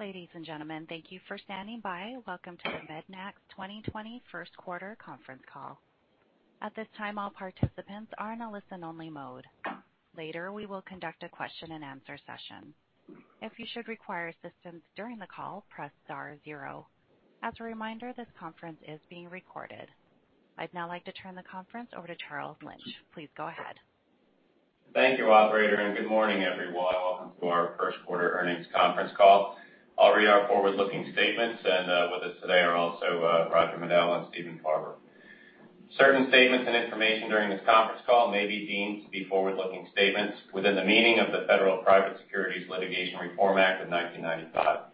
Ladies and gentlemen, thank you for standing by. Welcome to the MEDNAX 2020 first quarter conference call. At this time, all participants are in a listen-only mode. Later, we will conduct a question and answer session. If you should require assistance during the call, press star zero. As a reminder, this conference is being recorded. I'd now like to turn the conference over to Charles Lynch. Please go ahead. Thank you, Operator, good morning, everyone. Welcome to our first quarter earnings conference call. I'll read our forward-looking statements, and with us today are also Roger Medel and Stephen Farber. Certain statements and information during this conference call may be deemed to be forward-looking statements within the meaning of the Federal Private Securities Litigation Reform Act of 1995.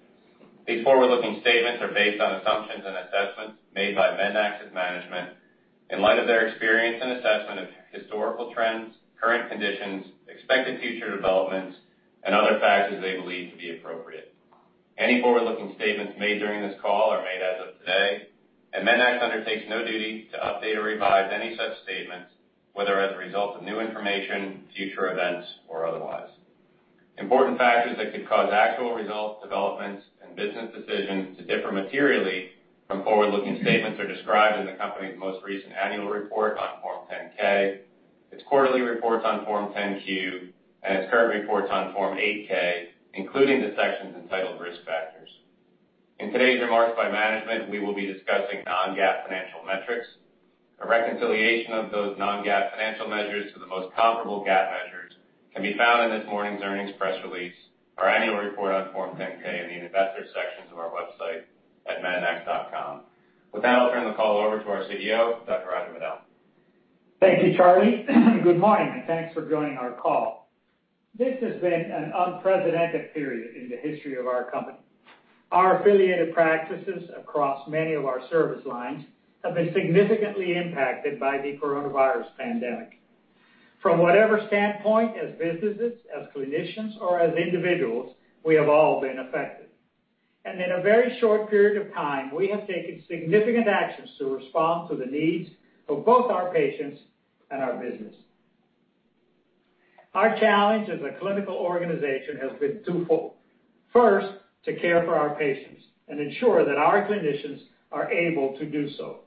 These forward-looking statements are based on assumptions and assessments made by MEDNAX's management in light of their experience and assessment of historical trends, current conditions, expected future developments, and other factors they believe to be appropriate. Any forward-looking statements made during this call are made as of today, and MEDNAX undertakes no duty to update or revise any such statements, whether as a result of new information, future events, or otherwise. Important factors that could cause actual results, developments, and business decisions to differ materially from forward-looking statements are described in the company's most recent annual report on Form 10-K, its quarterly reports on Form 10-Q, and its current reports on Form 8-K, including the sections entitled Risk Factors. In today's remarks by management, we will be discussing non-GAAP financial metrics. A reconciliation of those non-GAAP financial measures to the most comparable GAAP measures can be found in this morning's earnings press release, our annual report on Form 10-K, in the investor sections of our website at mednax.com. With that, I'll turn the call over to our CEO, Dr. Roger Medel. Thank you, Charlie. Good morning, thanks for joining our call. This has been an unprecedented period in the history of our company. Our affiliated practices across many of our service lines have been significantly impacted by the coronavirus pandemic. From whatever standpoint, as businesses, as clinicians, or as individuals, we have all been affected. In a very short period of time, we have taken significant actions to respond to the needs of both our patients and our business. Our challenge as a clinical organization has been twofold. First, to care for our patients and ensure that our clinicians are able to do so.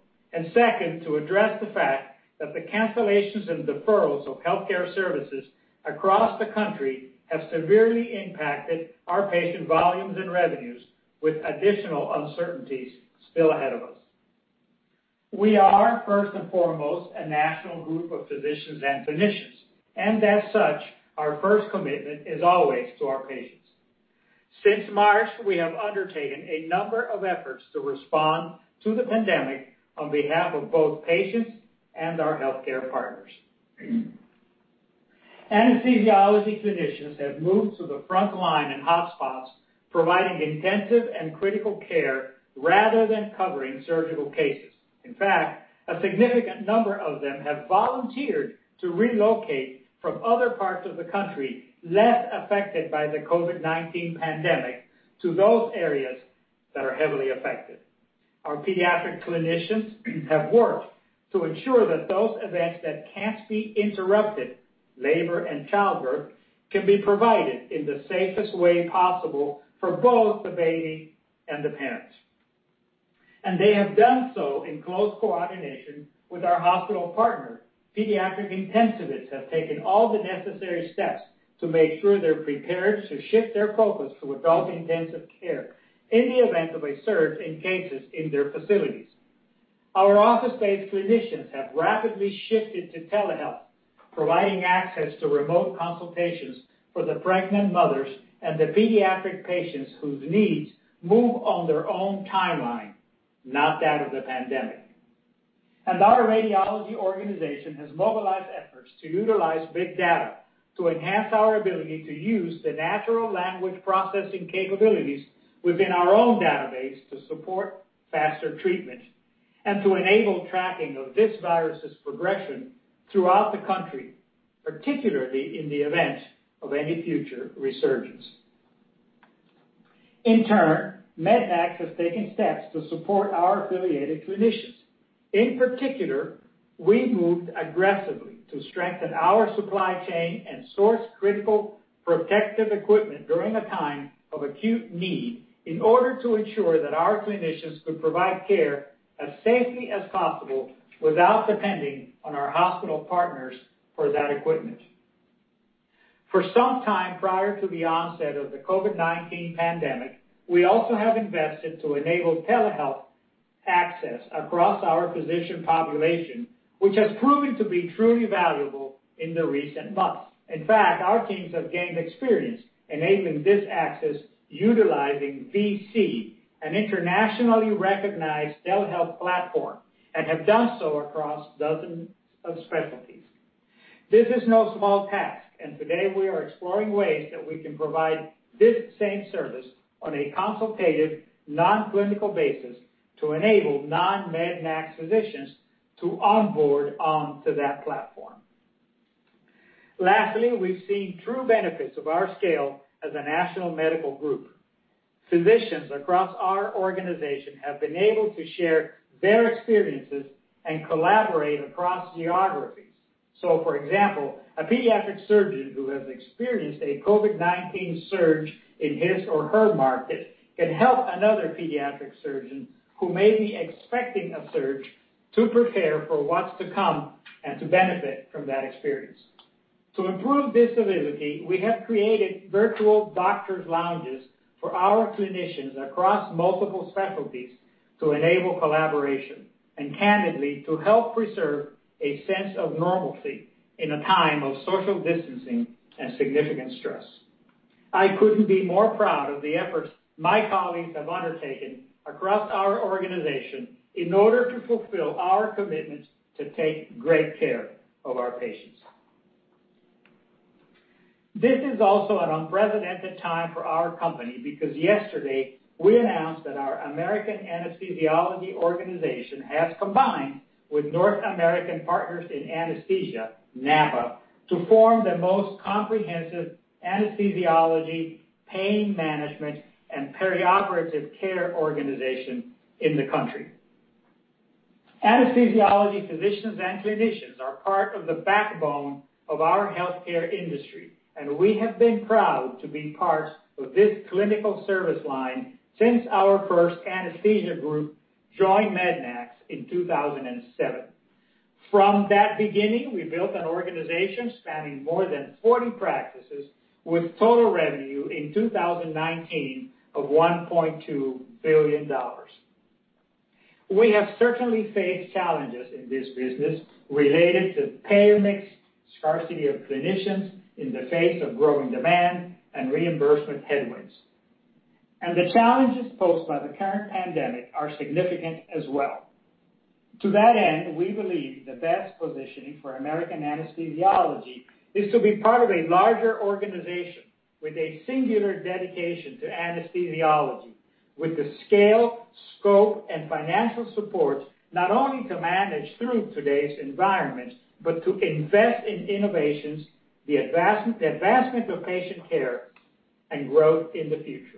Second, to address the fact that the cancellations and deferrals of healthcare services across the country have severely impacted our patient volumes and revenues, with additional uncertainties still ahead of us. We are, first and foremost, a national group of physicians and clinicians, and as such, our first commitment is always to our patients. Since March, we have undertaken a number of efforts to respond to the pandemic on behalf of both patients and our healthcare partners. Anesthesiology clinicians have moved to the front line in hotspots, providing intensive and critical care rather than covering surgical cases. In fact, a significant number of them have volunteered to relocate from other parts of the country less affected by the COVID-19 pandemic to those areas that are heavily affected. Our pediatric clinicians have worked to ensure that those events that can't be interrupted, labor and childbirth, can be provided in the safest way possible for both the baby and the parents. They have done so in close coordination with our hospital partners. Pediatric intensivists have taken all the necessary steps to make sure they're prepared to shift their focus to adult intensive care in the event of a surge in cases in their facilities. Our office-based clinicians have rapidly shifted to telehealth, providing access to remote consultations for the pregnant mothers and the pediatric patients whose needs move on their own timeline, not that of the pandemic. Our radiology organization has mobilized efforts to utilize big data to enhance our ability to use the natural language processing capabilities within our own database to support faster treatment and to enable tracking of this virus's progression throughout the country, particularly in the event of any future resurgence. In turn, MEDNAX has taken steps to support our affiliated clinicians. In particular, we moved aggressively to strengthen our supply chain and source critical protective equipment during a time of acute need in order to ensure that our clinicians could provide care as safely as possible without depending on our hospital partners for that equipment. For some time prior to the onset of the COVID-19 pandemic, we also have invested to enable telehealth access across our physician population, which has proven to be truly valuable in the recent months. In fact, our teams have gained experience enabling this access utilizing VSee, an internationally recognized telehealth platform, and have done so across dozens of specialties. Today we are exploring ways that we can provide this same service on a consultative, non-clinical basis to enable non-MEDNAX physicians to onboard onto that platform. Lastly, we've seen true benefits of our scale as a national medical group. Physicians across our organization have been able to share their experiences and collaborate across geographies. For example, a pediatric surgeon who has experienced a COVID-19 surge in his or her market can help another pediatric surgeon who may be expecting a surge to prepare for what's to come and to benefit from that experience. To improve visibility, we have created virtual doctors' lounges for our clinicians across multiple specialties to enable collaboration, and candidly, to help preserve a sense of normalcy in a time of social distancing and significant stress. I couldn't be more proud of the efforts my colleagues have undertaken across our organization in order to fulfill our commitment to take great care of our patients. This is also an unprecedented time for our company because yesterday, we announced that our American Anesthesiology organization has combined with North American Partners in Anesthesia, NAPA, to form the most comprehensive anesthesiology, pain management, and perioperative care organization in the country. Anesthesiology physicians and clinicians are part of the backbone of our Healthcare industry. We have been proud to be part of this clinical service line since our first anesthesia group joined MEDNAX in 2007. From that beginning, we built an organization spanning more than 40 practices with total revenue in 2019 of $1.2 billion. We have certainly faced challenges in this business related to payer mix, scarcity of clinicians in the face of growing demand, and reimbursement headwinds. The challenges posed by the current pandemic are significant as well. To that end, we believe the best positioning for American Anesthesiology is to be part of a larger organization with a singular dedication to anesthesiology, with the scale, scope, and financial support, not only to manage through today's environment, but to invest in innovations, the advancement of patient care, and growth in the future.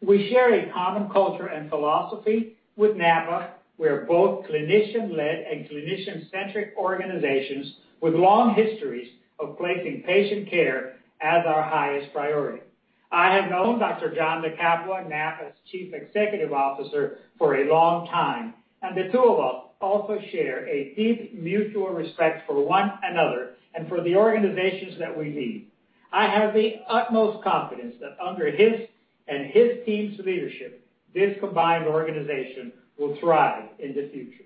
We share a common culture and philosophy with NAPA. We are both clinician-led and clinician-centric organizations with long histories of placing patient care as our highest priority. I have known Dr. John Di Capua, NAPA's Chief Executive Officer, for a long time. The two of us also share a deep mutual respect for one another and for the organizations that we lead. I have the utmost confidence that under his and his team's leadership, this combined organization will thrive in the future.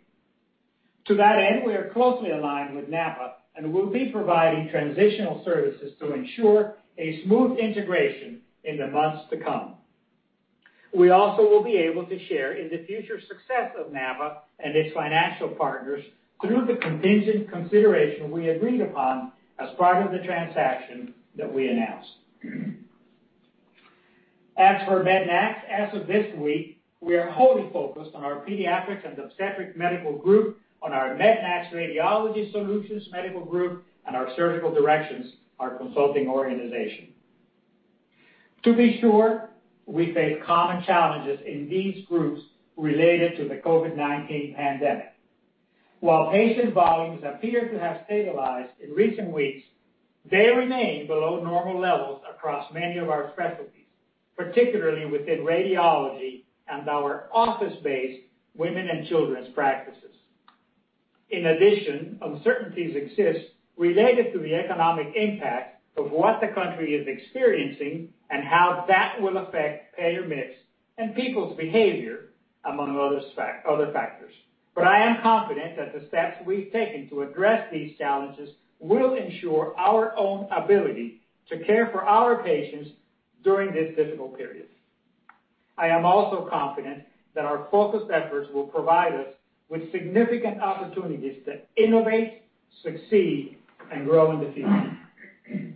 To that end, we are closely aligned with NAPA and will be providing transitional services to ensure a smooth integration in the months to come. We also will be able to share in the future success of NAPA and its financial partners through the contingent consideration we agreed upon as part of the transaction that we announced. As for MEDNAX, as of this week, we are wholly focused on our Pediatrix and Obstetrix Medical Group, on our MEDNAX Radiology Solutions Medical Group, and our Surgical Directions, our consulting organization. To be sure, we face common challenges in these groups related to the COVID-19 pandemic. While patient volumes appear to have stabilized in recent weeks, they remain below normal levels across many of our specialties, particularly within radiology and our office-based women and children's practices. In addition, uncertainties exist related to the economic impact of what the country is experiencing and how that will affect payer mix and people's behavior, among other factors. I am confident that the steps we've taken to address these challenges will ensure our own ability to care for our patients during this difficult period. I am also confident that our focused efforts will provide us with significant opportunities to innovate, succeed, and grow in the future.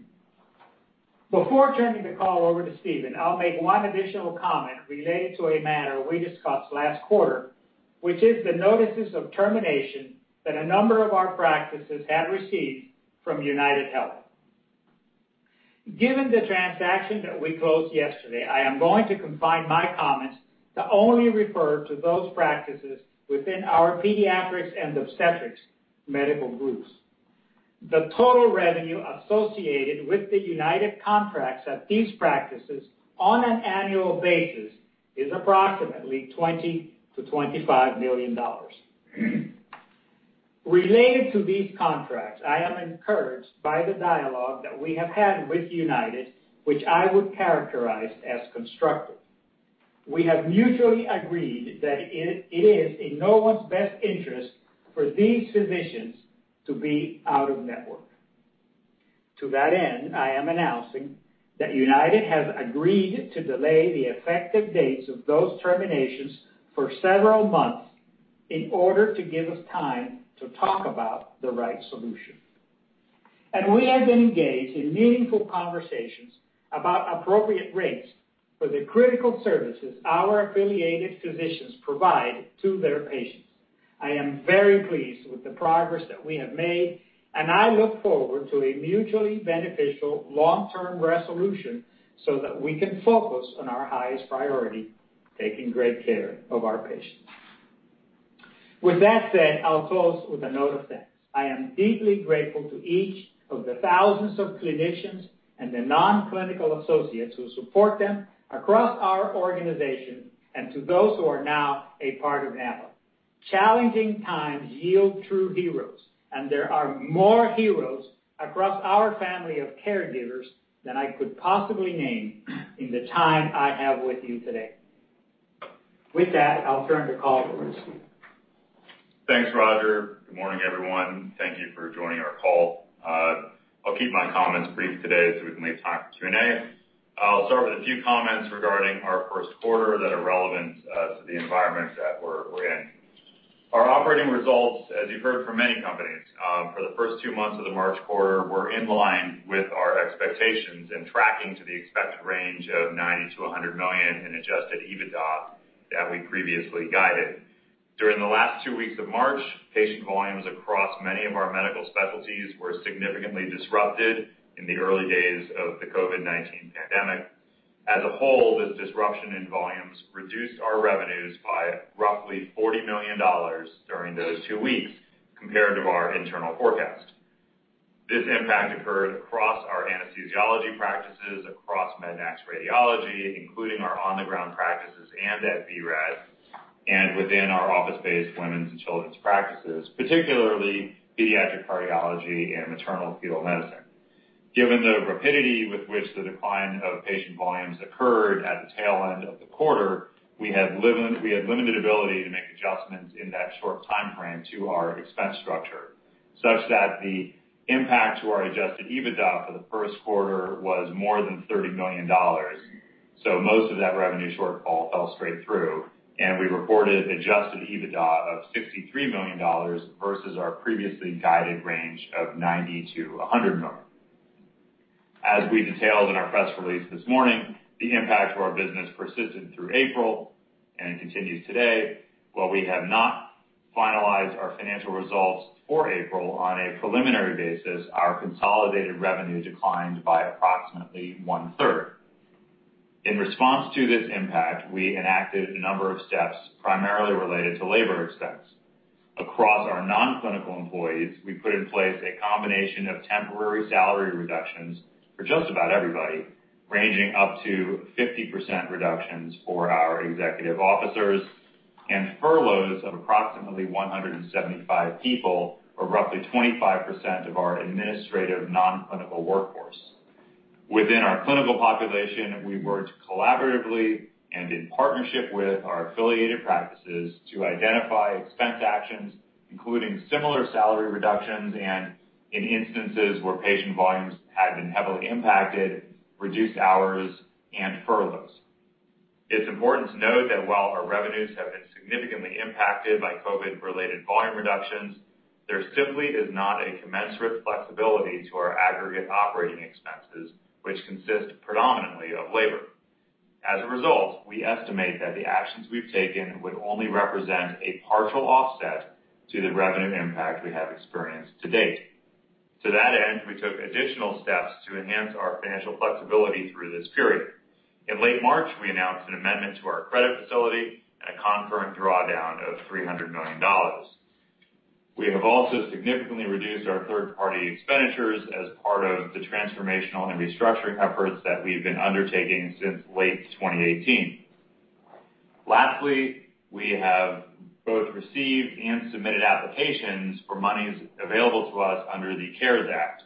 Before turning the call over to Stephen, I'll make one additional comment related to a matter we discussed last quarter, which is the notices of termination that a number of our practices had received from UnitedHealth. Given the transaction that we closed yesterday, I am going to confine my comments to only refer to those practices within our Pediatrix and Obstetrix Medical Groups. The total revenue associated with the United contracts at these practices on an annual basis is approximately $20 million-$25 million. Related to these contracts, I am encouraged by the dialogue that we have had with United, which I would characterize as constructive. We have mutually agreed that it is in no one's best interest for these physicians to be out of network. To that end, I am announcing that United has agreed to delay the effective dates of those terminations for several months in order to give us time to talk about the right solution. We have been engaged in meaningful conversations about appropriate rates for the critical services our affiliated physicians provide to their patients. I am very pleased with the progress that we have made. I look forward to a mutually beneficial long-term resolution so that we can focus on our highest priority, taking great care of our patients. With that said, I'll close with a note of thanks. I am deeply grateful to each of the thousands of clinicians and the non-clinical associates who support them across our organization and to those who are now a part of NAPA. Challenging times yield true heroes, and there are more heroes across our family of caregivers than I could possibly name in the time I have with you today. With that, I'll turn the call over to Steve. Thanks, Roger. Good morning, everyone. Thank you for joining our call. I'll keep my comments brief today so we can leave time for Q&A. I'll start with a few comments regarding our first quarter that are relevant to the environment that we're in. Our operating results, as you've heard from many companies, for the first two months of the March quarter, were in line with our expectations and tracking to the expected range of $90 million-$100 million in adjusted EBITDA that we previously guided. During the last two weeks of March, patient volumes across many of our medical specialties were significantly disrupted in the early days of the COVID-19 pandemic. As a whole, this disruption in volumes reduced our revenues by roughly $40 million during those two weeks compared to our internal forecast. This impact occurred across our anesthesiology practices, across MEDNAX Radiology, including our on-the-ground practices and at vRad, and within our office-based women's and children's practices, particularly pediatric cardiology and maternal-fetal medicine. Given the rapidity with which the decline of patient volumes occurred at the tail end of the quarter, we had limited ability to make adjustments in that short timeframe to our expense structure, such that the impact to our adjusted EBITDA for the first quarter was more than $30 million. Most of that revenue shortfall fell straight through, and we reported adjusted EBITDA of $63 million versus our previously guided range of $90 million-$100 million. As we detailed in our press release this morning, the impact to our business persisted through April and continues today. While we have not finalized our financial results for April, on a preliminary basis, our consolidated revenue declined by approximately one-third. In response to this impact, we enacted a number of steps primarily related to labor expense. Across our non-clinical employees, we put in place a combination of temporary salary reductions for just about everybody, ranging up to 50% reductions for our executive officers, and furloughs of approximately 175 people, or roughly 25% of our administrative non-clinical workforce. Within our clinical population, we worked collaboratively and in partnership with our affiliated practices to identify expense actions, including similar salary reductions, and in instances where patient volumes had been heavily impacted, reduced hours and furloughs. It's important to note that while our revenues have been significantly impacted by COVID-related volume reductions, there simply is not a commensurate flexibility to our aggregate operating expenses, which consist predominantly of labor. As a result, we estimate that the actions we've taken would only represent a partial offset to the revenue impact we have experienced to date. To that end, we took additional steps to enhance our financial flexibility through this period. In late March, we announced an amendment to our credit facility and a concurrent drawdown of $300 million. We have also significantly reduced our third-party expenditures as part of the transformational and restructuring efforts that we've been undertaking since late 2018. We have both received and submitted applications for monies available to us under the CARES Act.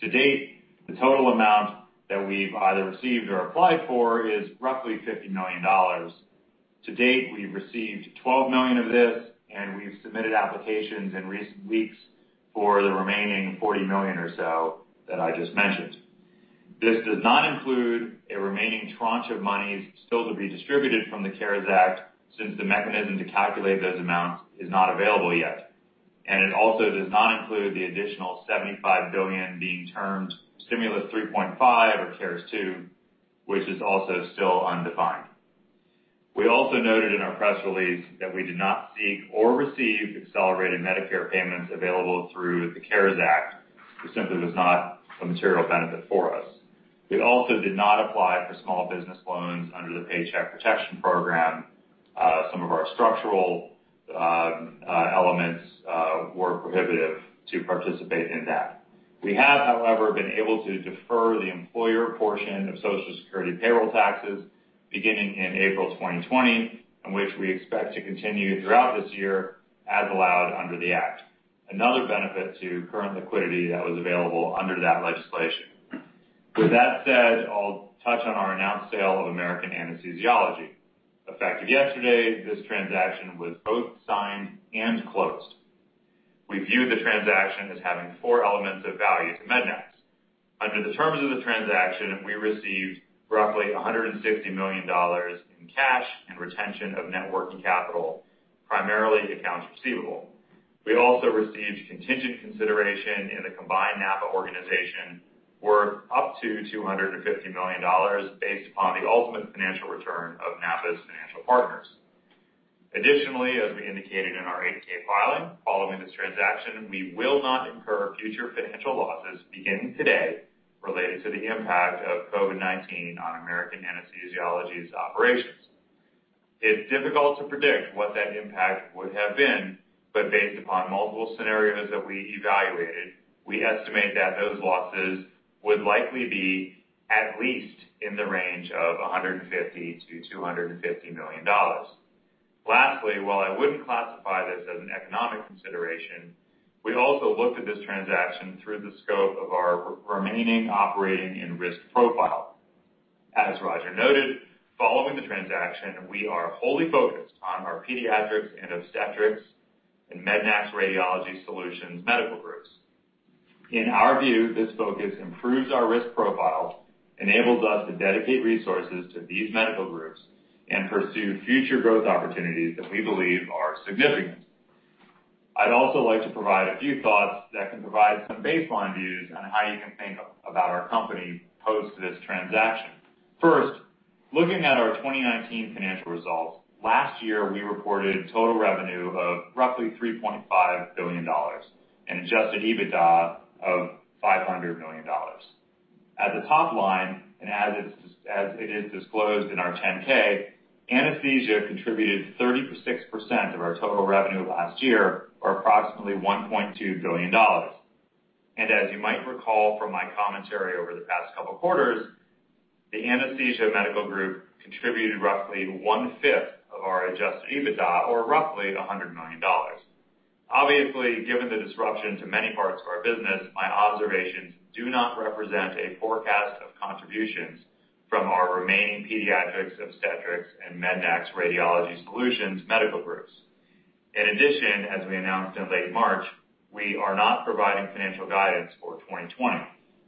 The total amount that we've either received or applied for is roughly $50 million. We've received $12 million of this, and we've submitted applications in recent weeks for the remaining $40 million or so that I just mentioned. This does not include a remaining tranche of monies still to be distributed from the CARES Act, since the mechanism to calculate those amounts is not available yet. It also does not include the additional $75 billion being termed Stimulus 3.5 or CARES 2, which is also still undefined. We also noted in our press release that we did not seek or receive accelerated Medicare payments available through the CARES Act. It simply was not a material benefit for us. We also did not apply for small business loans under the Paycheck Protection Program. Some of our structural elements were prohibitive to participate in that. We have, however, been able to defer the employer portion of Social Security payroll taxes beginning in April 2020, and which we expect to continue throughout this year, as allowed under the act. Another benefit to current liquidity that was available under that legislation. With that said, I'll touch on our announced sale of American Anesthesiology. Effective yesterday, this transaction was both signed and closed. We view the transaction as having four elements of value to MEDNAX. Under the terms of the transaction, we received roughly $160 million in cash and retention of net working capital, primarily accounts receivable. We also received contingent consideration in a combined NAPA organization worth up to $250 million based upon the ultimate financial return of NAPA's financial partners. Additionally, as we indicated in our 8-K filing, following this transaction, we will not incur future financial losses beginning today related to the impact of COVID-19 on American Anesthesiology's operations. It's difficult to predict what that impact would have been, but based upon multiple scenarios that we evaluated, we estimate that those losses would likely be at least in the range of $150 million-$250 million. Lastly, while I wouldn't classify this as an economic consideration, we also looked at this transaction through the scope of our remaining operating and risk profile. As Roger noted, following the transaction, we are wholly focused on our Pediatrics and Obstetrix and MEDNAX Radiology Solutions medical groups. In our view, this focus improves our risk profile, enables us to dedicate resources to these medical groups, and pursue future growth opportunities that we believe are significant. I'd also like to provide a few thoughts that can provide some baseline views on how you can think about our company post this transaction. Looking at our 2019 financial results, last year, we reported total revenue of roughly $3.5 billion and adjusted EBITDA of $500 million. At the top line, and as it is disclosed in our 10-K, anesthesia contributed 36% of our total revenue last year or approximately $1.2 billion. As you might recall from my commentary over the past couple of quarters, the anesthesia medical group contributed roughly one-fifth of our adjusted EBITDA, or roughly $100 million. Obviously, given the disruption to many parts of our business, my observations do not represent a forecast of contributions from our remaining Pediatrix, Obstetrix, and MEDNAX Radiology Solutions medical groups. In addition, as we announced in late March, we are not providing financial guidance for 2020.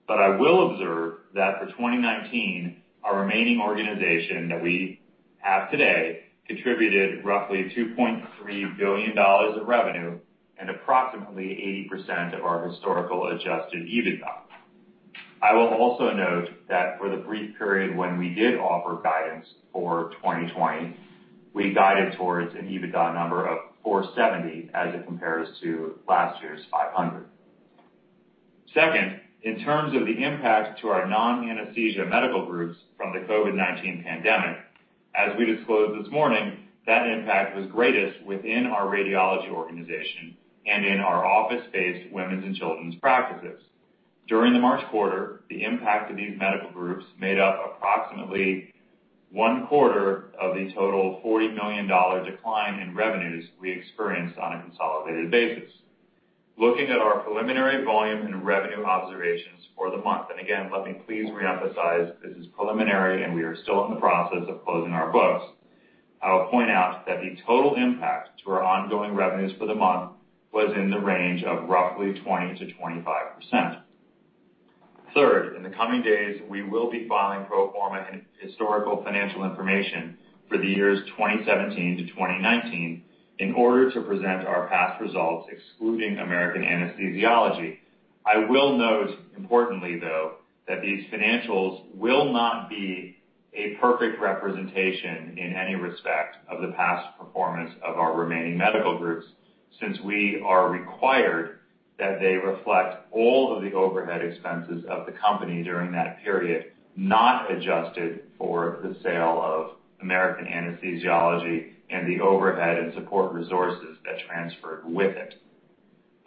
I will observe that for 2019, our remaining organization that we have today contributed roughly $2.3 billion of revenue and approximately 80% of our historical adjusted EBITDA. I will also note that for the brief period when we did offer guidance for 2020, we guided towards an EBITDA number of $470 as it compares to last year's $500. Second, in terms of the impact to our non-anesthesia medical groups from the COVID-19 pandemic, as we disclosed this morning, that impact was greatest within our radiology organization and in our office-based women's and children's practices. During the March quarter, the impact of these medical groups made up approximately one-quarter of the total $40 million decline in revenues we experienced on a consolidated basis. Looking at our preliminary volume and revenue observations for the month, and again, let me please reemphasize, this is preliminary, and we are still in the process of closing our books. I will point out that the total impact to our ongoing revenues for the month was in the range of roughly 20%-25%. Third, in the coming days, we will be filing pro forma and historical financial information for the years 2017-2019 in order to present our past results excluding American Anesthesiology. I will note importantly, though, that these financials will not be a perfect representation in any respect of the past performance of our remaining medical groups since we are required that they reflect all of the overhead expenses of the company during that period, not adjusted for the sale of American Anesthesiology and the overhead and support resources that transferred with it.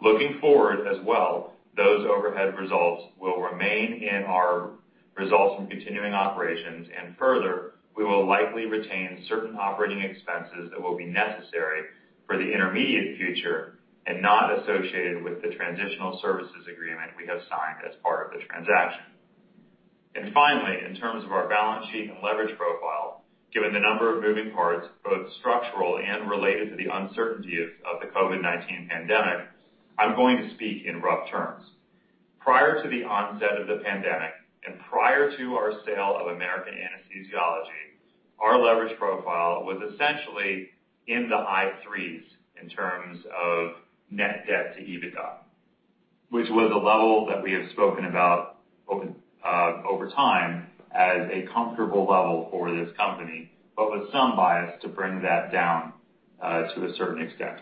Looking forward as well, those overhead results will remain in our results from continuing operations, and further, we will likely retain certain operating expenses that will be necessary for the intermediate future and not associated with the transitional services agreement we have signed as part of the transaction. Finally, in terms of our balance sheet and leverage profile, given the number of moving parts, both structural and related to the uncertainty of the COVID-19 pandemic, I'm going to speak in rough terms. Prior to the onset of the pandemic and prior to our sale of American Anesthesiology, our leverage profile was essentially in the high threes in terms of net debt to EBITDA, which was a level that we have spoken about over time as a comfortable level for this company, but with some bias to bring that down to a certain extent.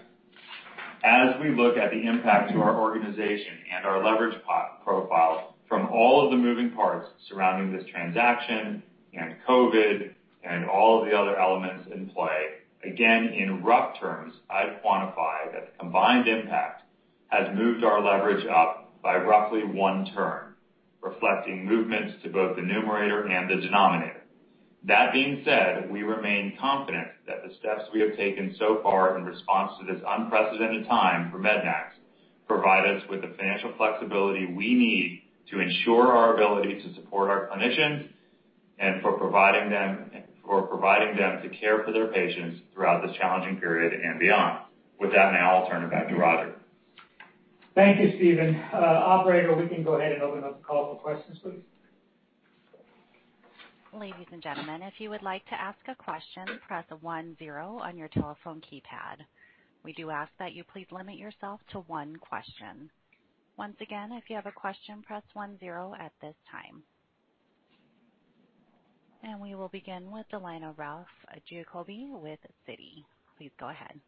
As we look at the impact to our organization and our leverage profile from all of the moving parts surrounding this transaction and COVID and all of the other elements in play, again, in rough terms, I'd quantify that the combined impact has moved our leverage up by roughly one turn, reflecting movements to both the numerator and the denominator. That being said, we remain confident that the steps we have taken so far in response to this unprecedented time for MEDNAX provide us with the financial flexibility we need to ensure our ability to support our clinicians and for providing them the care for their patients throughout this challenging period and beyond. With that, now I'll turn it back to Roger. Thank you, Stephen. Operator, we can go ahead and open up the call for questions, please. Ladies and gentlemen, if you would like to ask a question, press a one zero on your telephone keypad. We do ask that you please limit yourself to one question. Once again, if you have a question, press one zero at this time. We will begin with the line of Ralph Giacobbe with Citi. Please go ahead.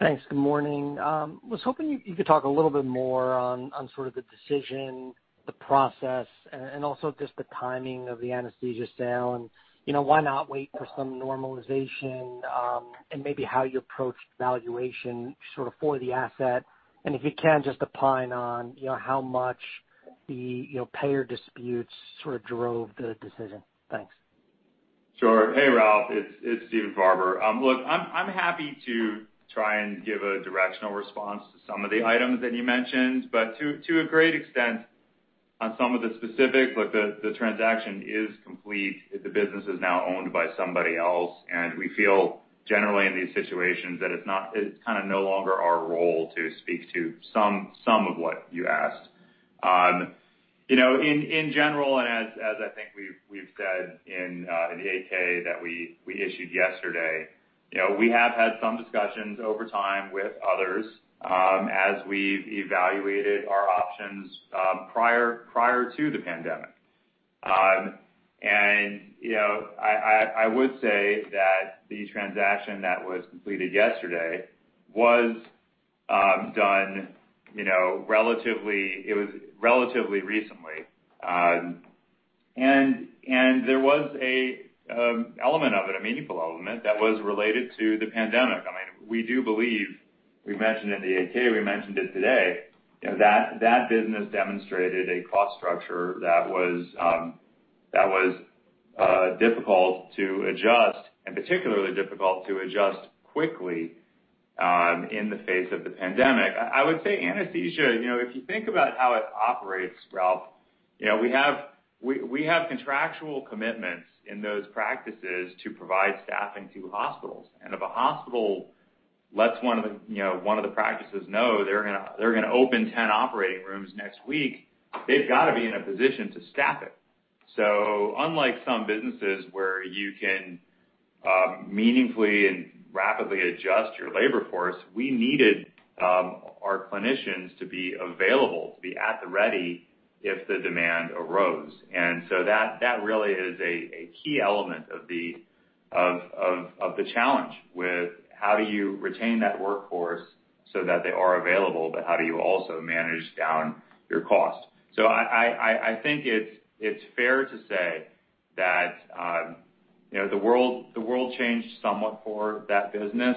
Thanks. Good morning. I was hoping you could talk a little bit more on the decision, the process, and also just the timing of the anesthesia sale, and why not wait for some normalization, and maybe how you approached valuation for the asset. If you can, just opine on how much the payer disputes drove the decision. Thanks. Sure. Hey, Ralph. It's Stephen Farber. Look, I'm happy to try and give a directional response to some of the items that you mentioned, but to a great extent, on some of the specifics, look, the transaction is complete. The business is now owned by somebody else, and we feel generally in these situations that it's no longer our role to speak to some of what you asked. In general, and as I think we've said in the 8-K that we issued yesterday, we have had some discussions over time with others as we've evaluated our options prior to the pandemic. I would say that the transaction that was completed yesterday was done relatively recently. There was a meaningful element of it that was related to the pandemic. We do believe, we mentioned it in the 8-K, we mentioned it today, that that business demonstrated a cost structure that was difficult to adjust, and particularly difficult to adjust quickly in the face of the pandemic. I would say anesthesia, if you think about how it operates, Ralph, we have contractual commitments in those practices to provide staffing to hospitals. If a hospital lets one of the practices know they're going to open 10 operating rooms next week, they've got to be in a position to staff it. Unlike some businesses where you can meaningfully and rapidly adjust your labor force, we needed our clinicians to be available, to be at the ready if the demand arose. That really is a key element of the challenge with how do you retain that workforce so that they are available, but how do you also manage down your costs? I think it's fair to say that the world changed somewhat for that business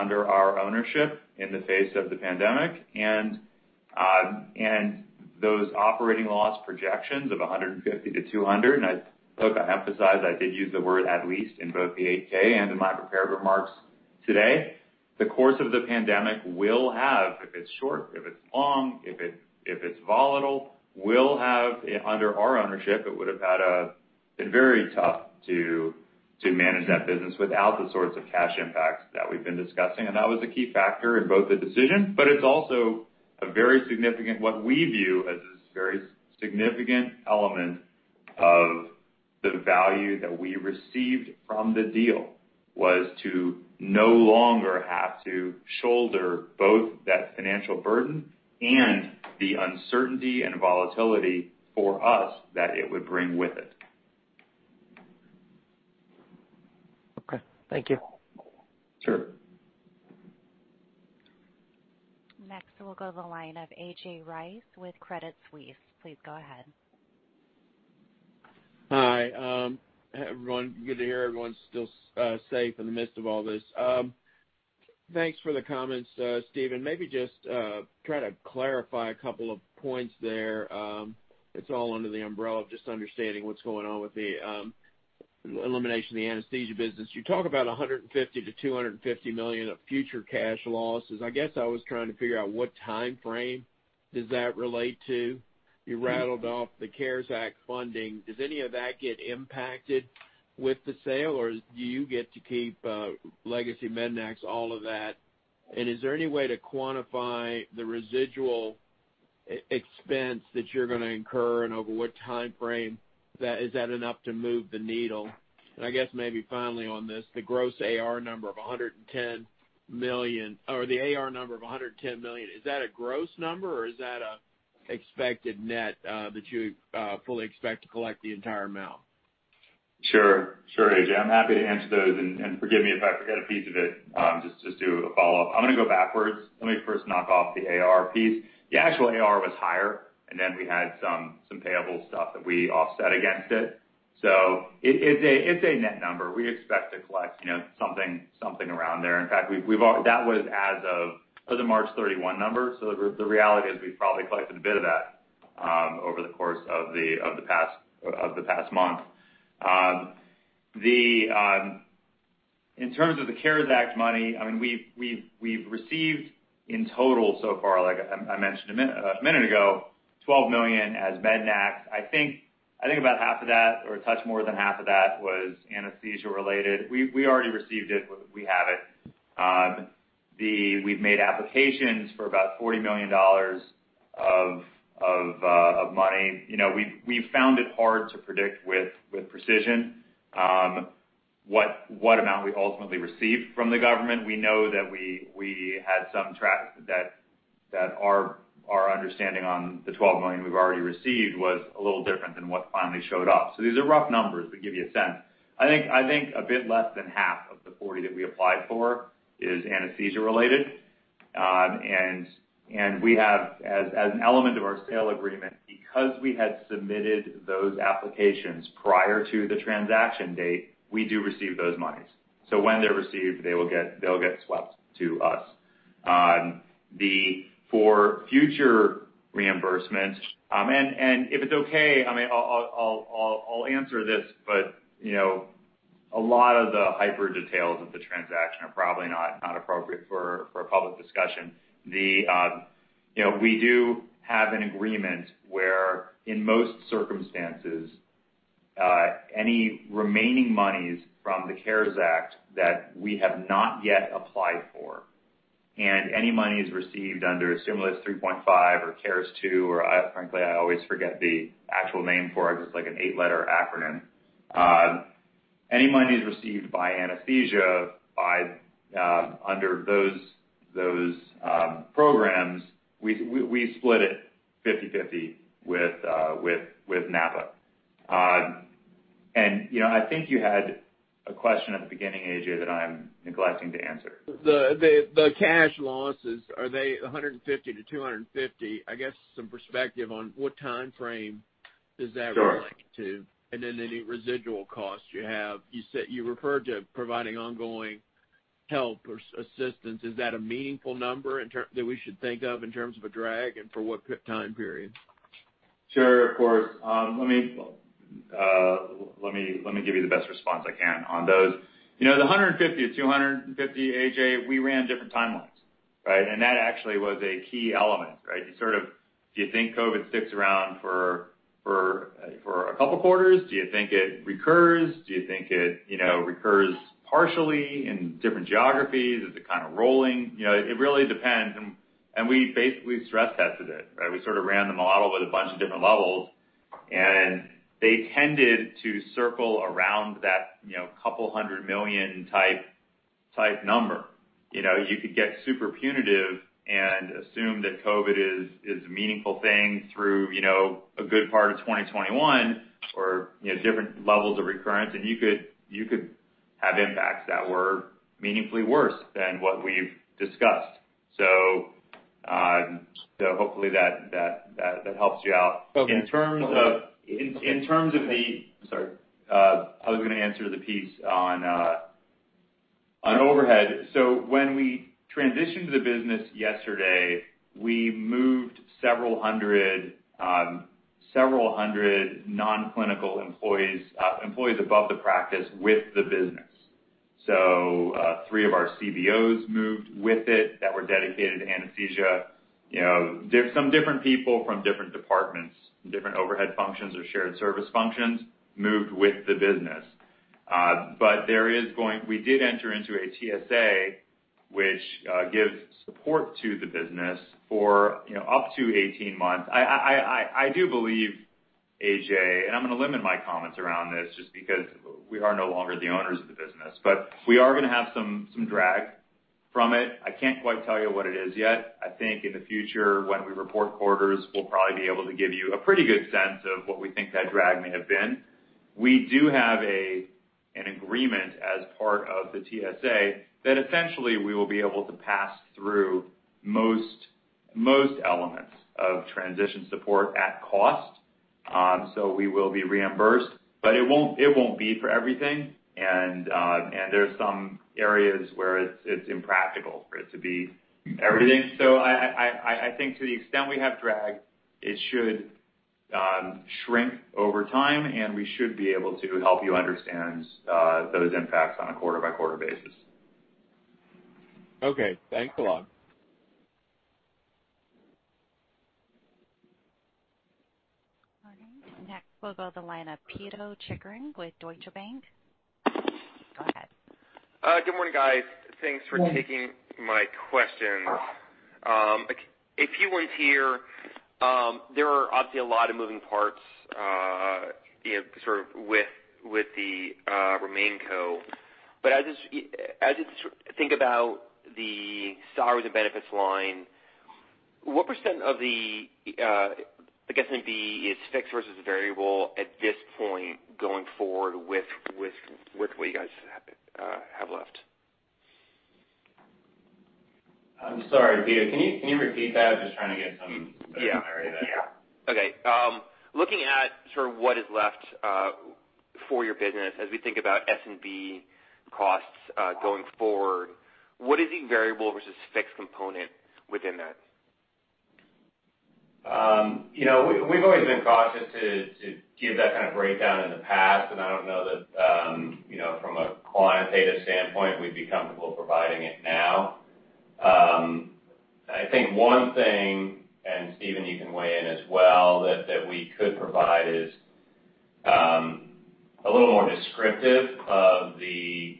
under our ownership in the face of the pandemic, and those operating loss projections of $150-$200, and look, I emphasize, I did use the word at least in both the 8-K and in my prepared remarks today. The course of the pandemic will have, if it's short, if it's long, if it's volatile, will have, under our ownership, it would've been very tough to manage that business without the sorts of cash impacts that we've been discussing. That was a key factor in both the decision, but it's also what we view as this very significant element of the value that we received from the deal, was to no longer have to shoulder both that financial burden and the uncertainty and volatility for us that it would bring with it. Okay. Thank you. Sure. Next, we'll go to the line of A.J. Rice with Credit Suisse. Please go ahead. Hi, everyone. Good to hear everyone's still safe in the midst of all this. Thanks for the comments, Stephen. Maybe just try to clarify a couple of points there. It's all under the umbrella of just understanding what's going on with the elimination of the Anesthesia business. You talk about $150 million-$250 million of future cash losses. I guess I was trying to figure out what timeframe does that relate to? You rattled off the CARES Act funding. Does any of that get impacted with the sale, or do you get to keep legacy MEDNAX, all of that? Is there any way to quantify the residual expense that you're going to incur, and over what timeframe? Is that enough to move the needle? I guess maybe finally on this, the AR number of $110 million. Is that a gross number, or is that an expected net that you fully expect to collect the entire amount? Sure, A.J. I'm happy to answer those, and forgive me if I forget a piece of it. Just do a follow-up. I'm going to go backwards. Let me first knock off the AR piece. The actual AR was higher, and then we had some payable stuff that we offset against it. It's a net number. We expect to collect something around there. In fact, that was as of the March 31 number, so the reality is we've probably collected a bit of that over the course of the past month. In terms of the CARES Act money, we've received in total so far, like I mentioned a minute ago, $12 million as MEDNAX. I think about half of that or a touch more than half of that was anesthesia related. We already received it. We have it. We've made applications for about $40 million of money. We've found it hard to predict with precision what amount we ultimately receive from the government. We know that our understanding on the $12 million we've already received was a little different than what finally showed up. These are rough numbers, but give you a sense. I think a bit less than half of the $40 that we applied for is anesthesia related. We have, as an element of our sale agreement, because we had submitted those applications prior to the transaction date, we do receive those monies. When they're received, they'll get swept to us. For future reimbursements, and if it's okay, I'll answer this, but a lot of the hyper details of the transaction are probably not appropriate for a public discussion. We do have an agreement where, in most circumstances, any remaining monies from the CARES Act that we have not yet applied for, and any monies received under Stimulus 3.5 or CARES 2, or frankly, I always forget the actual name for it's like an eight-letter acronym. Any monies received by anesthesia under those programs, we split it 50-50 with NAPA. I think you had a question at the beginning, A.J., that I am neglecting to answer. The cash losses, are they $150-$250? I guess some perspective on what timeframe does that relate to, any residual costs you have. You referred to providing ongoing help or assistance. Is that a meaningful number that we should think of in terms of a drag, and for what time period? Sure, of course. Let me give you the best response I can on those. The $150-$250, A.J., we ran different timelines. That actually was a key element. You sort of, do you think COVID sticks around for a couple of quarters? Do you think it recurs? Do you think it recurs partially in different geographies? Is it kind of rolling? It really depends, and we stress tested it. We sort of ran the model at a bunch of different levels, and they tended to circle around that $200 million type number. You could get super punitive and assume that COVID is a meaningful thing through a good part of 2021 or different levels of recurrence, and you could have impacts that were meaningfully worse than what we've discussed. Hopefully that helps you out. Okay. I was going to answer the piece on overhead. When we transitioned the business yesterday, we moved several hundred non-clinical employees above the practice with the business. Three of our CBOs moved with it that were dedicated to anesthesia. Some different people from different departments, different overhead functions or shared service functions, moved with the business. We did enter into a TSA, which gives support to the business for up to 18 months. I do believe, A.J., and I'm going to limit my comments around this just because we are no longer the owners of the business, but we are going to have some drag from it. I can't quite tell you what it is yet. I think in the future, when we report quarters, we'll probably be able to give you a pretty good sense of what we think that drag may have been. We do have an agreement as part of the TSA that essentially we will be able to pass through most elements of transition support at cost. We will be reimbursed, but it won't be for everything, and there's some areas where it's impractical for it to be everything. I think to the extent we have drag, it should shrink over time, and we should be able to help you understand those impacts on a quarter-by-quarter basis. Okay. Thanks a lot. All right. Next we'll go to the line of Pito Chickering with Deutsche Bank. Go ahead. Good morning, guys. Thanks for taking my questions. A few ones here. There are obviously a lot of moving parts sort of with the RemainCo. As you think about the salaries and benefits line, what % of the SW&B is fixed versus variable at this point going forward with what you guys have left? I'm sorry, Pito, can you repeat that? I'm just trying to get some clarity there. Yeah. Okay. Looking at sort of what is left for your business, as we think about SW&B costs going forward, what is the variable versus fixed component within that? We've always been cautious to give that kind of breakdown in the past. I don't know that from a quantitative standpoint, we'd be comfortable providing it now. I think one thing, Stephen, you can weigh in as well, that we could provide is a little more descriptive of the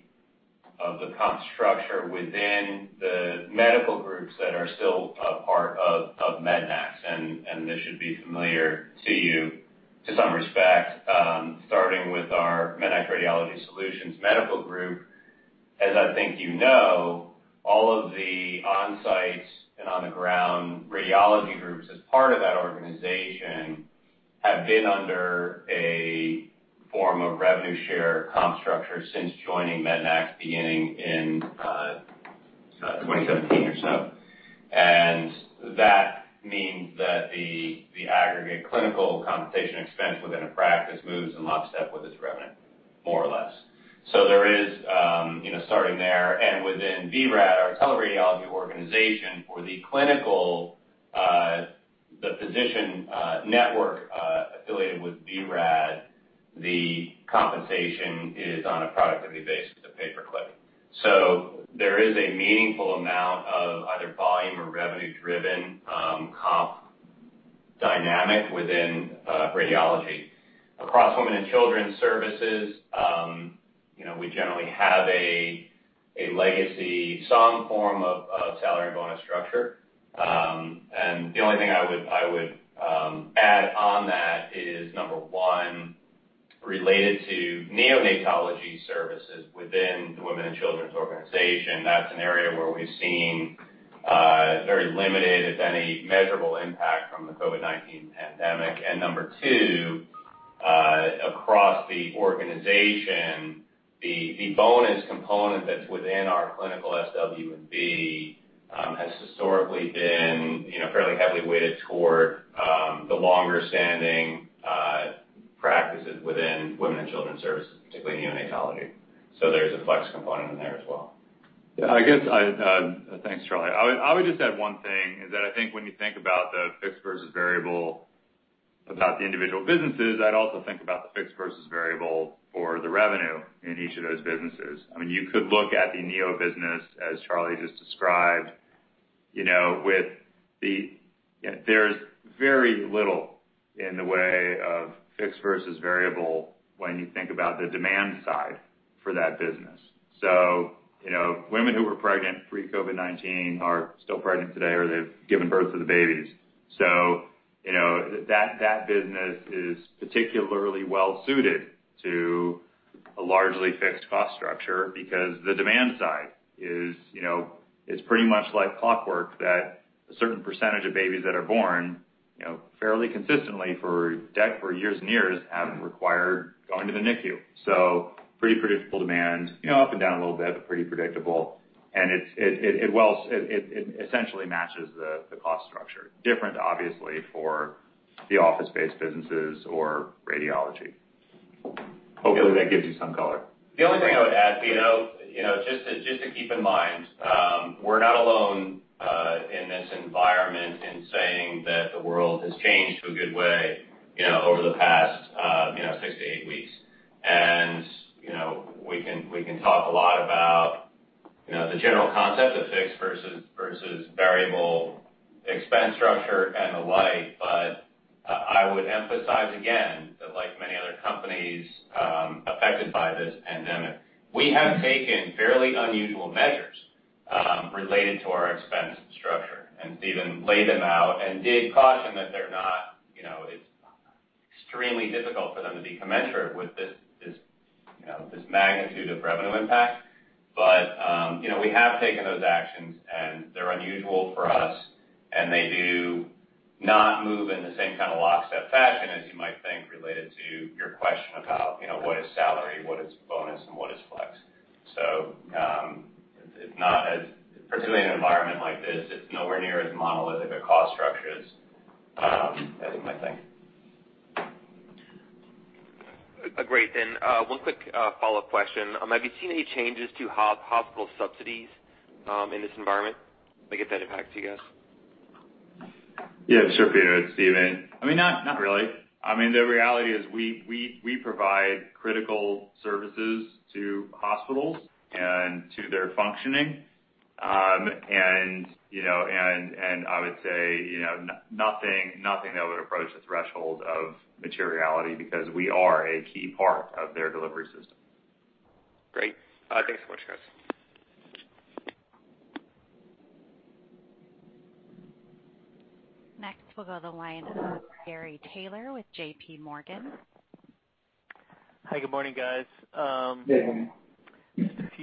comp structure within the medical groups that are still a part of MEDNAX. This should be familiar to you to some respect. Starting with our MEDNAX Radiology Solutions medical group. As I think you know, all of the on-site and on-the-ground radiology groups as part of that organization have been under a form of revenue share comp structure since joining MEDNAX beginning in 2017 or so. That means that the aggregate clinical compensation expense within a practice moves in lockstep with its revenue, more or less. There is, starting there, and within vRad, our teleradiology organization for the clinical, the physician network affiliated with vRad, the compensation is on a productivity basis of pay per clip. There is a meaningful amount of either volume or revenue-driven comp dynamic within radiology. Across women and children's services, we generally have a legacy, some form of salary bonus structure. The only thing I would add on that is, number one, related to neonatology services within the women and children's organization. That's an area where we've seen very limited, if any, measurable impact from the COVID-19 pandemic. Number two, across the organization, the bonus component that's within our clinical SW&B has historically been fairly heavily weighted toward the longer-standing practices within women and children's services, particularly neonatology. Thanks, Charlie. I would just add one thing, is that I think when you think about the fixed versus variable, about the individual businesses, I'd also think about the fixed versus variable for the revenue in each of those businesses. You could look at the neo business, as Charlie just described. There's very little in the way of fixed versus variable when you think about the demand side for that business. Women who were pregnant pre-COVID-19 are still pregnant today, or they've given birth to the babies. That business is particularly well-suited to a largely fixed cost structure because the demand side is pretty much like clockwork that a certain percentage of babies that are born, fairly consistently for decades, for years and years, have required going to the NICU. Pretty predictable demand. Up and down a little bit, but pretty predictable, and it essentially matches the cost structure. Different, obviously, for the office-based businesses or radiology. Hopefully, that gives you some color. The only thing I would add, just to keep in mind, we're not alone in this environment in saying that the world has changed for a good way over the past six to eight weeks. We can talk a lot about the general concept of fixed versus variable expense structure and the like. I would emphasize again that like many other companies affected by this pandemic, we have taken fairly unusual measures related to our expense structure, and Stephen laid them out and did caution that it's extremely difficult for them to be commensurate with this magnitude of revenue impact. We have taken those actions, and they're unusual for us, and they do not move in the same kind of lockstep fashion as you might think, related to your question about what is salary, what is bonus, and what is flex. Particularly in an environment like this, it's nowhere near as monolithic a cost structure is, I think, my thing. Great. One quick follow-up question. Have you seen any changes to hospital subsidies in this environment? Might get that impact to you guys. Yeah, sure, Pito. It's Stephen. Not really. The reality is we provide critical services to hospitals and to their functioning. I would say, nothing that would approach the threshold of materiality because we are a key part of their delivery system. Great. Thanks so much, guys. Next, we'll go to the line of Gary Taylor with JPMorgan. Hi. Good morning, guys. Good morning.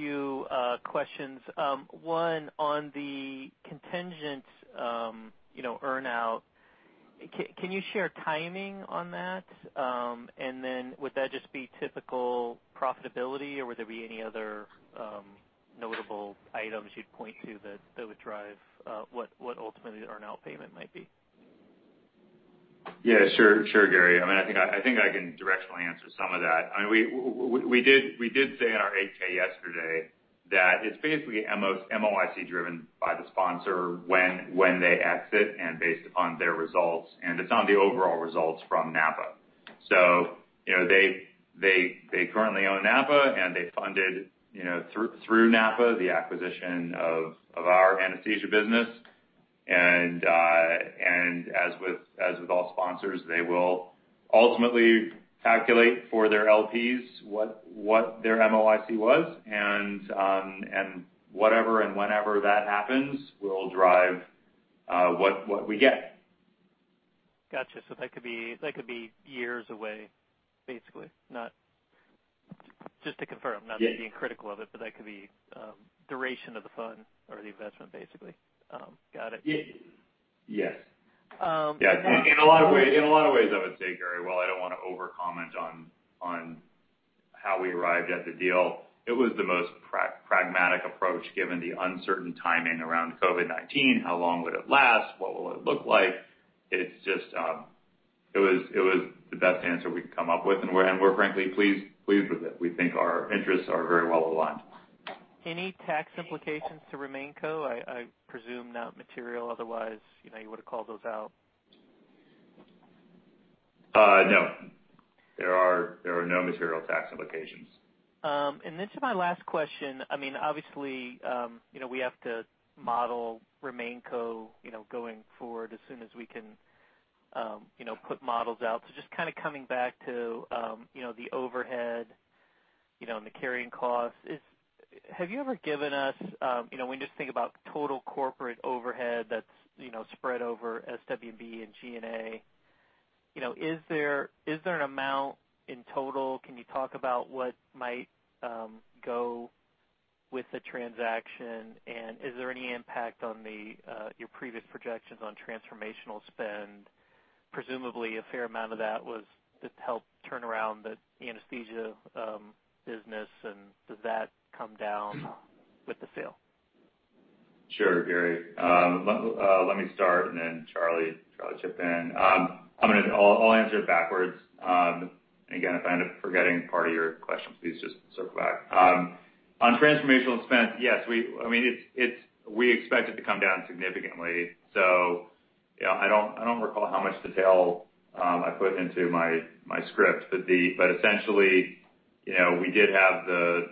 Just a few questions. One, on the contingent earn-out, can you share timing on that? Would that just be typical profitability, or would there be any other notable items you'd point to that would drive what ultimately the earn-out payment might be? Yeah, sure, Gary. I think I can directionally answer some of that. We did say in our 8-K yesterday that it's basically MOIC driven by the sponsor when they exit and based upon their results, and it's on the overall results from NAPA. They currently own NAPA, and they funded through NAPA, the acquisition of our Anesthesia business. As with all sponsors, they will ultimately calculate for their LPs what their MOIC was. Whatever and whenever that happens will drive what we get. Got you. That could be years away, basically? Just to confirm, not that I'm being critical of it, but that could be duration of the fund or the investment, basically. Got it. Yes. In a lot of ways, I would say, Gary, while I don't want to over-comment on how we arrived at the deal, it was the most pragmatic approach given the uncertain timing around COVID-19, how long would it last, what will it look like? It was the best answer we could come up with, and we're frankly pleased with it. We think our interests are very well aligned. Any tax implications to RemainCo? I presume not material, otherwise, you would've called those out. No. There are no material tax implications. To my last question, obviously, we have to model RemainCo going forward as soon as we can put models out. Just kind of coming back to the overhead, and the carrying costs. When you think about total corporate overhead that's spread over SW&B and G&A, is there an amount in total? Can you talk about what might go with the transaction, and is there any impact on your previous projections on transformational spend? Presumably a fair amount of that was to help turn around the Anesthesia business, and does that come down with the sale? Sure, Gary. Let me start. Then Charlie chip in. I'll answer it backwards. Again, if I end up forgetting part of your question, please just circle back. On transformational expense, yes. We expect it to come down significantly. I don't recall how much detail I put into my script, essentially, we did have the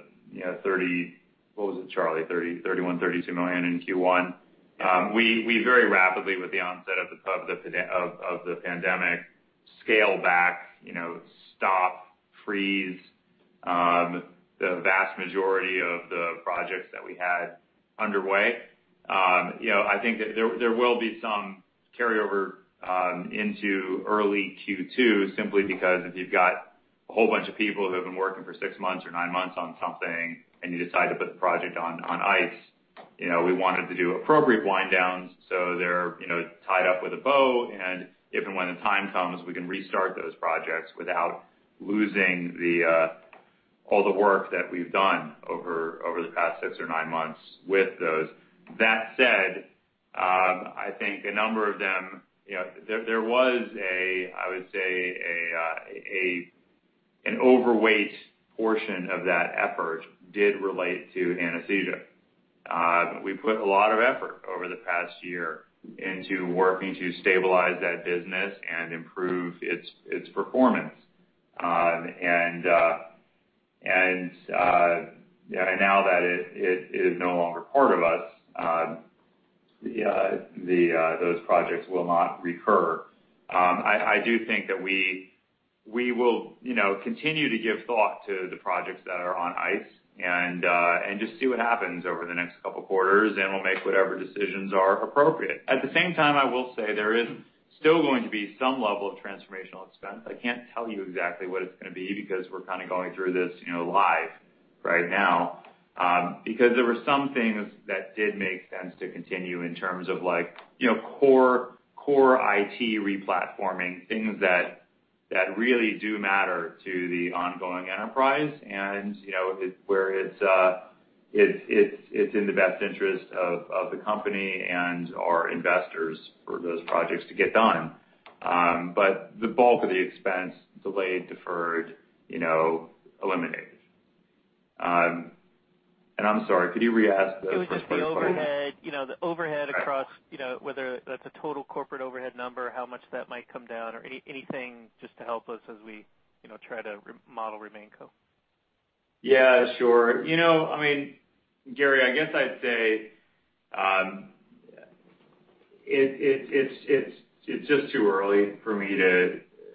30, what was it, Charlie? 31, $32 million in Q1. We very rapidly, with the onset of the pandemic, scaled back, stopped, freeze the vast majority of the projects that we had underway. I think that there will be some carryover into early Q2 simply because if you've got a whole bunch of people who have been working for six months or nine months on something and you decide to put the project on ice, we wanted to do appropriate wind downs so they're tied up with a bow. If and when the time comes, we can restart those projects without losing all the work that we've done over the past six or nine months with those. That said, I think a number of them, there was, I would say, an overweight portion of that effort did relate to anesthesia. We put a lot of effort over the past year into working to stabilize that business and improve its performance. Now that it is no longer part of us, those projects will not recur. I do think that we will continue to give thought to the projects that are on ice and just see what happens over the next couple of quarters, and we'll make whatever decisions are appropriate. At the same time, I will say there is still going to be some level of transformational expense. I can't tell you exactly what it's going to be because we're kind of going through this live right now. There were some things that did make sense to continue in terms of core IT re-platforming, things that really do matter to the ongoing enterprise and where it's in the best interest of the company and our investors for those projects to get done. The bulk of the expense, delayed, deferred, eliminated. I'm sorry, could you re-ask the first part of that? It was just the overhead across, whether that's a total corporate overhead number, how much that might come down or anything just to help us as we try to model RemainCo. Yeah, sure. Gary, I guess I'd say it's just too early for me.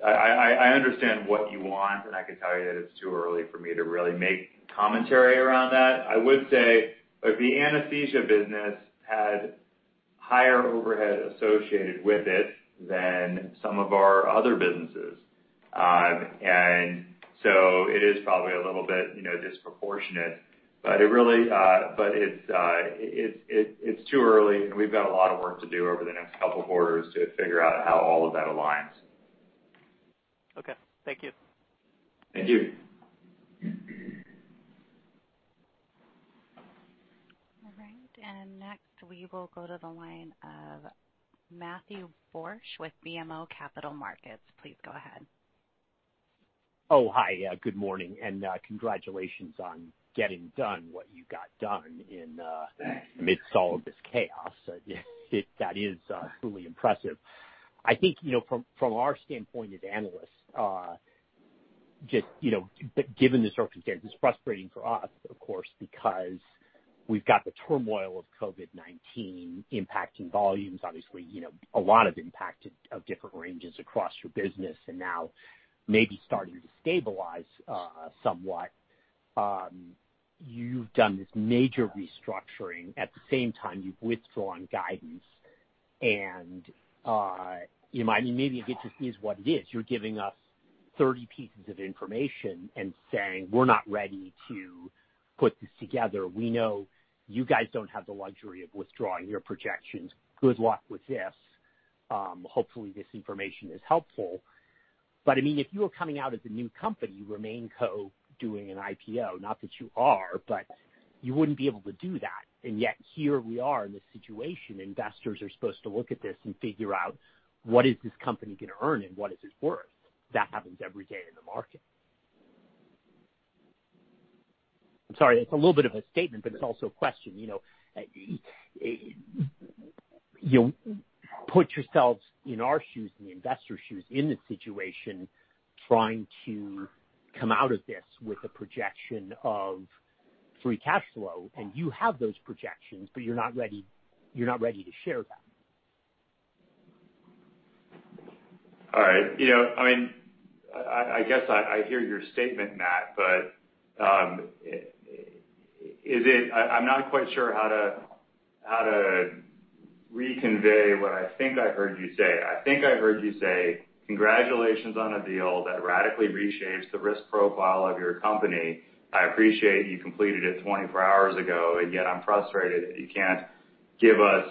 I understand what you want, and I can tell you that it's too early for me to really make commentary around that. I would say the Anesthesia business had higher overhead associated with it than some of our other businesses. It is probably a little bit disproportionate, but it's too early, and we've got a lot of work to do over the next couple of quarters to figure out how all of that aligns. Okay. Thank you. Thank you. All right. Next, we will go to the line of Matthew Borsch with BMO Capital Markets. Please go ahead. Oh, hi. Good morning. Congratulations on getting done what you got done amidst all of this chaos. That is truly impressive. I think from our standpoint as analysts, given the circumstances, it's frustrating for us, of course, because we've got the turmoil of COVID-19 impacting volumes. Obviously, a lot of impact of different ranges across your business and now maybe starting to stabilize somewhat. You've done this major restructuring. At the same time, you've withdrawn guidance, and maybe it just is what it is. You're giving us 30 pieces of information and saying, "We're not ready to put this together. We know you guys don't have the luxury of withdrawing your projections. Good luck with this. Hopefully, this information is helpful." If you were coming out as a new company, you RemainCo-doing an IPO, not that you are, but you wouldn't be able to do that. Yet here we are in this situation. Investors are supposed to look at this and figure out what is this company going to earn and what is it worth. That happens every day in the market. I'm sorry, it's a little bit of a statement, but it's also a question. Put yourselves in our shoes, in the investor's shoes, in this situation, trying to come out of this with a projection of free cash flow, and you have those projections, but you're not ready to share them. All right. I guess I hear your statement, Matt, but I'm not quite sure how to re-convey what I think I heard you say. I think I heard you say, "Congratulations on a deal that radically reshapes the risk profile of your company. I appreciate you completed it 24 hours ago, and yet I'm frustrated that you can't give us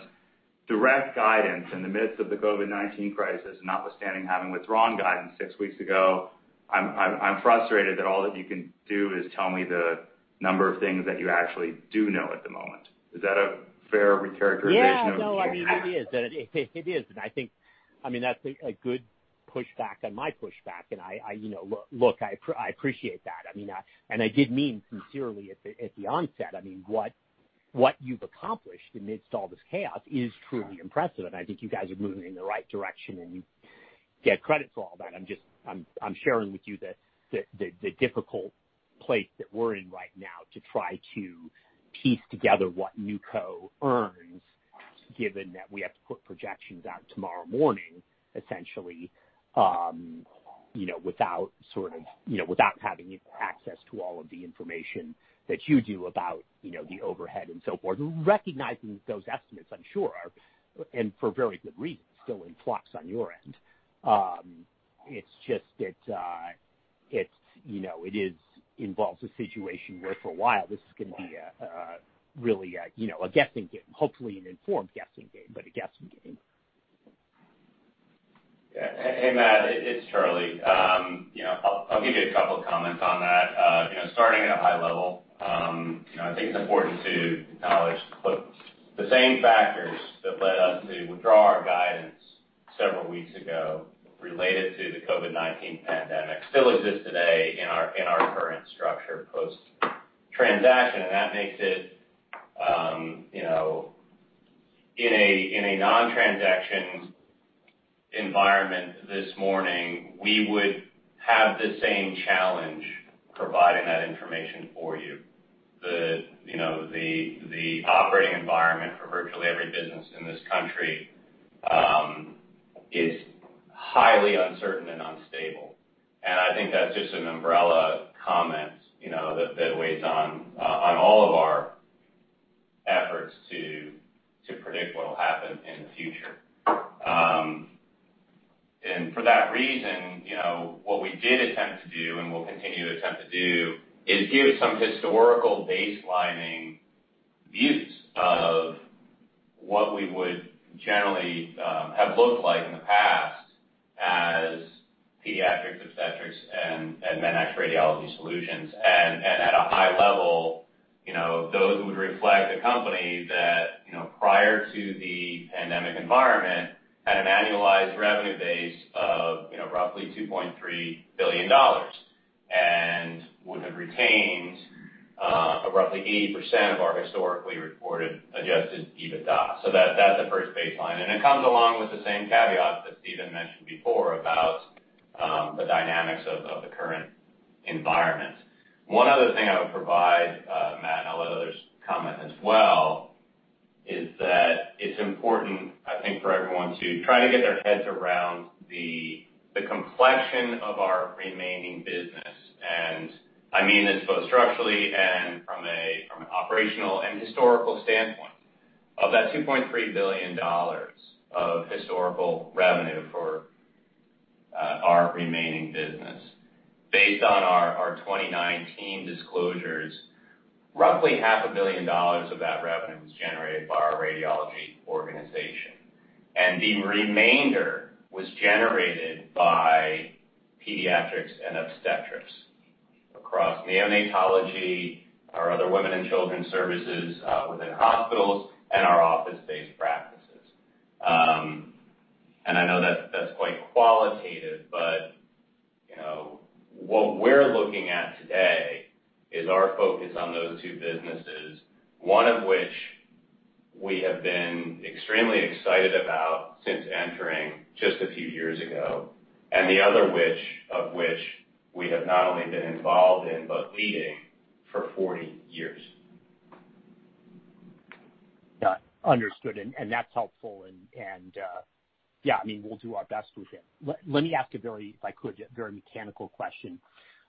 direct guidance in the midst of the COVID-19 crisis, notwithstanding having withdrawn guidance six weeks ago. I'm frustrated that all that you can do is tell me the number of things that you actually do know at the moment." Is that a fair recharacterization of- Yeah. No, it is. I think that's a good pushback on my pushback, and look, I appreciate that. I did mean sincerely at the onset, what you've accomplished amidst all this chaos is truly impressive, and I think you guys are moving in the right direction, and you get credit for all that. I'm sharing with you the difficult place that we're in right now to try to piece together what NewCo earns, given that we have to put projections out tomorrow morning, essentially, without having access to all of the information that you do about the overhead and so forth. Recognizing that those estimates, I'm sure, and for very good reason, still in flux on your end. It's just that it involves a situation where for a while, this is going to be really a guessing game. Hopefully an informed guessing game, but a guessing game. Hey, Matt, it's Charlie. I'll give you a couple of comments on that. Starting at a high level, I think it's important to acknowledge, look, the same factors that led us to withdraw our guidance several weeks ago related to the COVID-19 pandemic still exist today in our current structure post-transaction. That makes it, in a non-transaction environment this morning, we would have the same challenge providing that information for you. The operating environment for virtually every business in this country is highly uncertain and unstable, and I think that's just an umbrella comment that weighs on all of our efforts to predict what'll happen in the future. For that reason, what we did attempt to do and will continue to attempt to do is give some historical baselining views of what we would generally have looked like in the past as Pediatrix, Obstetrix, and MEDNAX Radiology Solutions. At a high level, those would reflect a company that, prior to the pandemic environment, had an annualized revenue base of roughly $2.3 billion and would have retained roughly 80% of our historically reported adjusted EBITDA. That's the first baseline, and it comes along with the same caveat that Stephen mentioned before about the dynamics of the current environment. One other thing I would provide, Matt, and I'll let others comment as well, is that it's important, I think, for everyone to try to get their heads around the complexion of our remaining business, and I mean this both structurally and from an operational and historical standpoint. Of that $2.3 billion of historical revenue for our remaining business, based on our 2019 disclosures, roughly $0.5 billion of that revenue was generated by our radiology organization, and the remainder was generated by Pediatrics and Obstetrix across neonatology, our other women and children services within hospitals, and our office-based practices. I know that's quite qualitative, but what we're looking at today is our focus on those two businesses. One of which we have been extremely excited about since entering just a few years ago, and the other of which we have not only been involved in but leading for 40 years. Understood. That's helpful. Yeah, we'll do our best with it. Let me ask, if I could, a very mechanical question.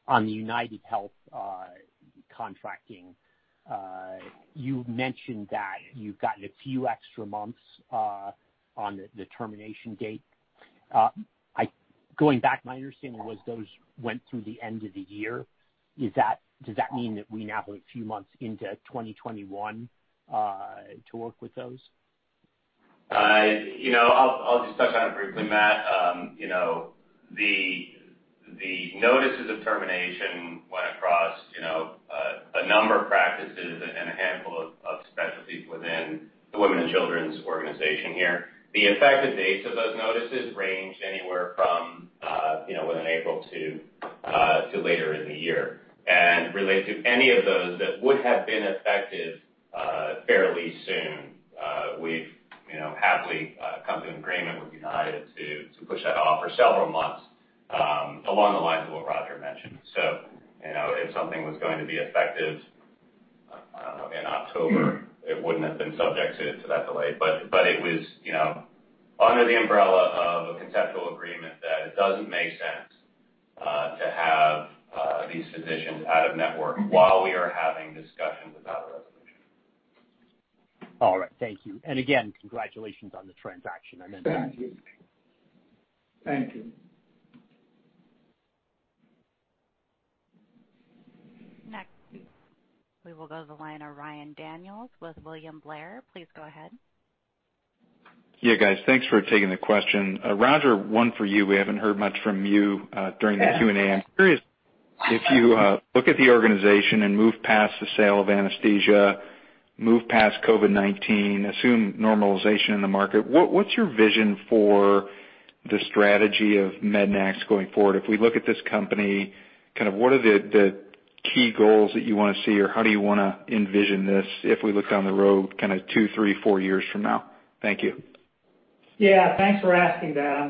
On the UnitedHealth contracting, you mentioned that you've gotten a few extra months on the termination date. Going back, my understanding was those went through the end of the year. Does that mean that we now have a few months into 2021 to work with those? I'll just touch on it briefly, Matt. The notices of termination went across a number of practices and a handful of specialties within the women and children's organization here. The effective dates of those notices range anywhere from within April to later in the year. Related to any of those that would have been effective fairly soon, we've happily come to an agreement with United to push that off for several months, along the lines of what Roger mentioned. If something was going to be effective, I don't know, in October, it wouldn't have been subject to that delay. It was under the umbrella of a conceptual agreement that it doesn't make sense to have these physicians out of network while we are having discussions about a resolution. All right. Thank you. Again, congratulations on the transaction. I mean that. Thank you. Next, we will go to the line of Ryan Daniels with William Blair. Please go ahead. Yeah, guys. Thanks for taking the question. Roger, one for you. We haven't heard much from you during the Q&A. I'm curious, if you look at the organization and move past the sale of anesthesia, move past COVID-19, assume normalization in the market, what's your vision for the strategy of MEDNAX going forward? If we look at this company, what are the key goals that you want to see, or how do you want to envision this if we look down the road two, three, four years from now? Thank you. Yeah, thanks for asking that. I'm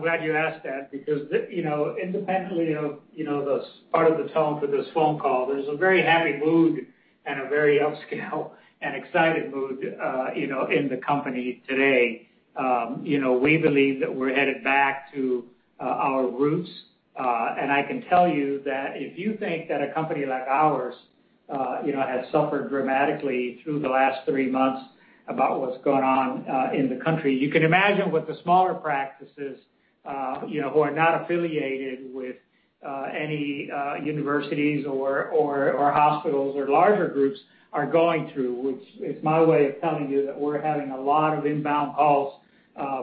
glad you asked that because independently of the tone for this phone call, there's a very happy mood and a very upscale and excited mood in the company today. We believe that we're headed back to our roots. I can tell you that if you think that a company like ours has suffered dramatically through the last three months about what's going on in the country, you can imagine what the smaller practices who are not affiliated with any universities or hospitals or larger groups are going through, which is my way of telling you that we're having a lot of inbound calls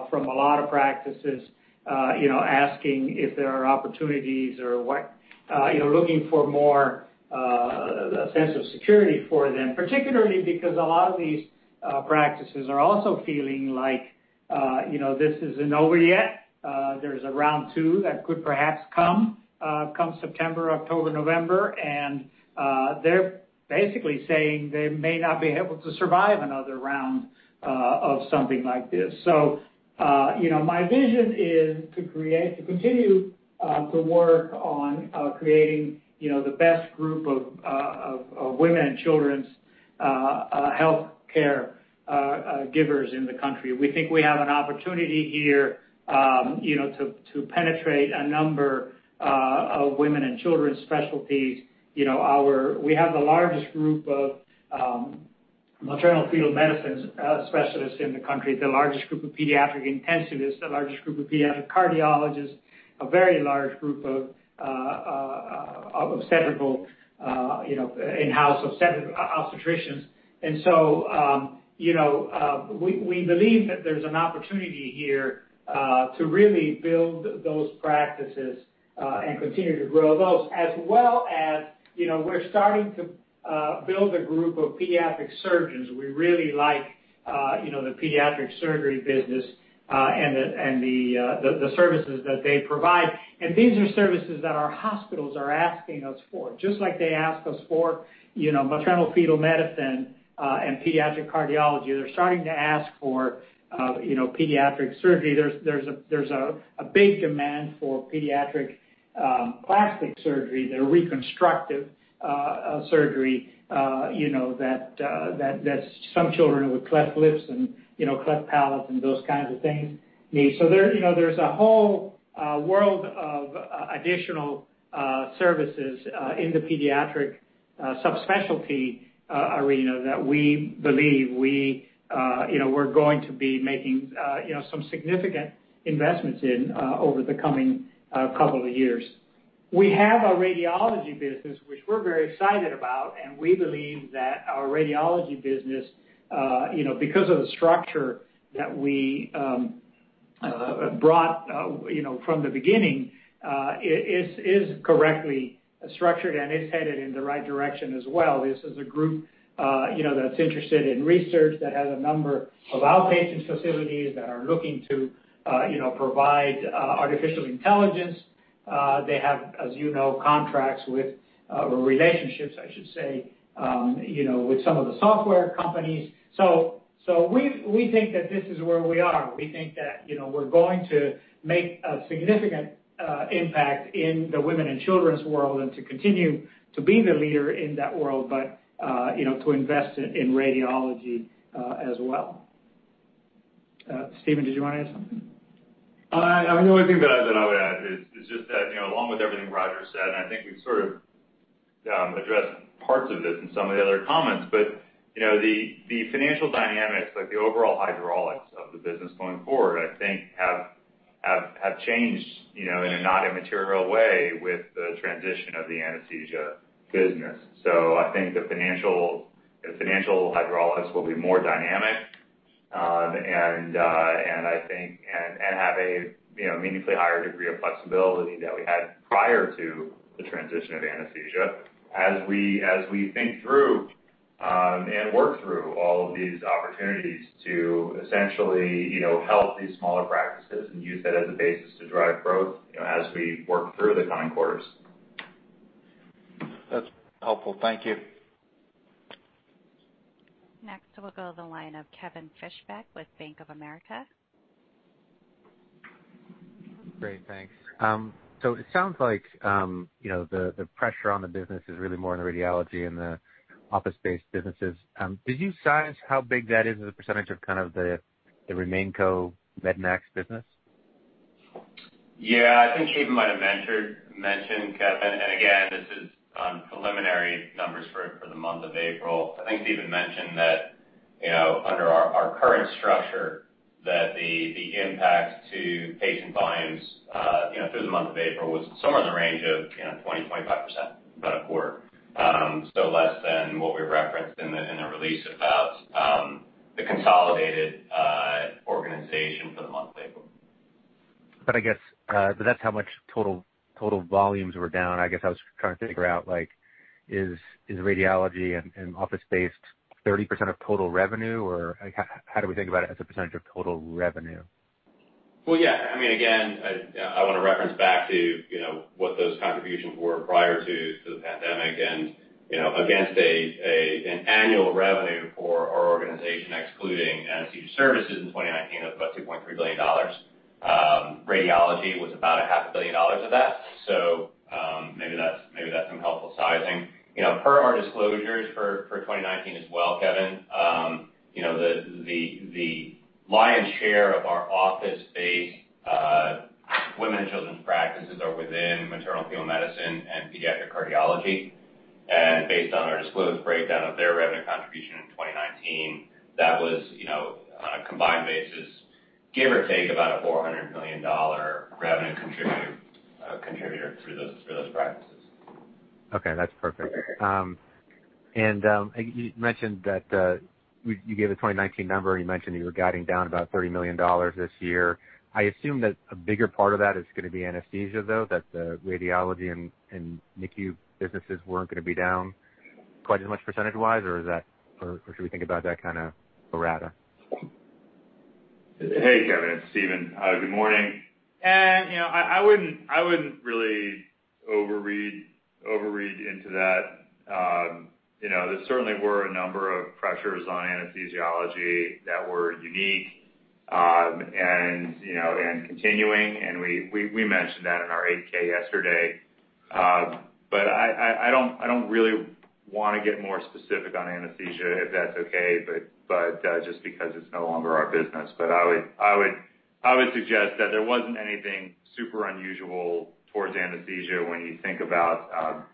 from a lot of practices asking if there are opportunities or looking for more a sense of security for them. Particularly because a lot of these practices are also feeling like this isn't over yet. There's a round 2 that could perhaps come September, October, November. They're basically saying they may not be able to survive another round of something like this. My vision is to continue to work on creating the best group of women and children's healthcare givers in the country. We think we have an opportunity here to penetrate a number of women and children's specialties. We have the largest group of maternal-fetal medicine specialists in the country, the largest group of pediatric intensivists, the largest group of pediatric cardiologists, a very large group of in-house obstetricians. We believe that there's an opportunity here to really build those practices and continue to grow those, as well as we're starting to build a group of pediatric surgeons. We really like the Pediatric Surgery business and the services that they provide. These are services that our hospitals are asking us for. Just like they ask us for maternal-fetal medicine and pediatric cardiology, they're starting to ask for pediatric surgery. There's a big demand for pediatric plastic surgery. They're reconstructive surgery that some children with cleft lips and cleft palates and those kinds of things need. There's a whole world of additional services in the pediatric subspecialty arena that we believe we're going to be making some significant investments in over the coming couple of years. We have a Radiology business which we're very excited about, and we believe that our Radiology business, because of the structure that we brought from the beginning, is correctly structured and is headed in the right direction as well. This is a group that's interested in research, that has a number of outpatient facilities that are looking to provide artificial intelligence. They have, as you know, contracts with, or relationships, I should say, with some of the software companies. We think that this is where we are. We think that we're going to make a significant impact in the women and children's world and to continue to be the leader in that world, but to invest in radiology as well. Stephen, did you want to add something? The only thing that I would add is just that, along with everything Roger said, and I think we've sort of addressed parts of this in some of the other comments, but the financial dynamics, like the overall hydraulics of the business going forward, I think have changed in a not immaterial way with the transition of the Anesthesia business. I think the financial hydraulics will be more dynamic, and have a meaningfully higher degree of flexibility than we had prior to the transition of anesthesia as we think through and work through all of these opportunities to essentially help these smaller practices and use that as a basis to drive growth as we work through the coming quarters. That's helpful. Thank you. Next, we'll go to the line of Kevin Fischbeck with Bank of America. Great. Thanks. It sounds like the pressure on the business is really more on the radiology and the office-based businesses. Did you size how big that is as a percentage of the RemainCo MEDNAX business? I think Stephen might have mentioned, Kevin, and again, this is preliminary numbers for the month of April. I think Stephen mentioned that under our current structure, that the impact to patient volumes through the month of April was somewhere in the range of 20%-25% kind of quarter. Less than what we referenced in the release about the consolidated organization for the month of April. I guess that's how much total volumes were down. I guess I was trying to figure out, is radiology and office-based 30% of total revenue, or how do we think about it as a percentage of total revenue? Well, yeah. Again, I want to reference back to what those contributions were prior to the pandemic, and against an annual revenue for our organization, excluding anesthesia services in 2019 of about $2.3 billion. Radiology was about a $0.5 billion of that. Maybe that's some helpful sizing. Per our disclosures for 2019 as well, Kevin, the lion's share of our office-based women and children's practices are within maternal-fetal medicine and pediatric cardiology. Based on our disclosed breakdown of their revenue contribution in 2019, that was, on a combined basis, give or take, about a $400 million revenue contributor for those practices. Okay. That's perfect. Okay. You mentioned that you gave a 2019 number, and you mentioned you were guiding down about $30 million this year. I assume that a bigger part of that is going to be anesthesia, though, that the radiology and NICU businesses weren't going to be down quite as much percentage-wise, or should we think about that kind of pro rata? Hey, Kevin, it's Stephen. Good morning. I wouldn't really overread into that. There certainly were a number of pressures on anesthesiology that were unique and continuing, and we mentioned that in our 8-K yesterday. I don't really want to get more specific on anesthesia, if that's okay, just because it's no longer our business. I would suggest that there wasn't anything super unusual towards anesthesia when you think about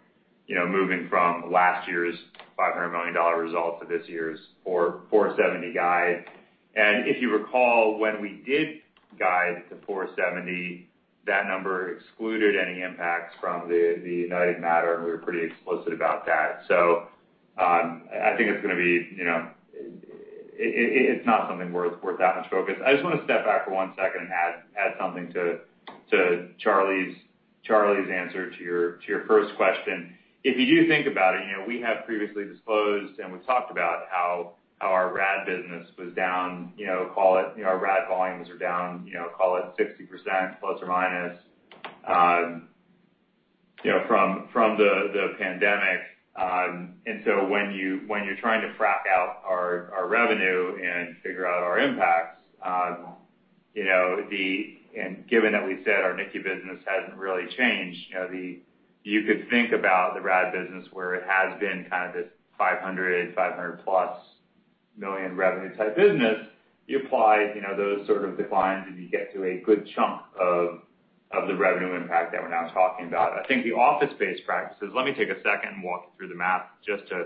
moving from last year's $500 million result to this year's $470 guide. If you recall, when we did guide to $470, that number excluded any impacts from the United matter, and we were pretty explicit about that. I think it's not something worth that much focus. I just want to step back for one second and add something to Charlie's answer to your first question. If you do think about it, we have previously disclosed, and we've talked about how our RAD business was down, our RAD volumes are down, call it 60%± from the pandemic. When you're trying to frack out our revenue and figure out our impacts, and given that we said our NICU business hasn't really changed, you could think about the RAD business where it has been kind of this $500 million, $500 million+ revenue type business. You apply those sort of declines, and you get to a good chunk of the revenue impact that we're now talking about. I think the office-based practices, let me take a second and walk you through the math, just to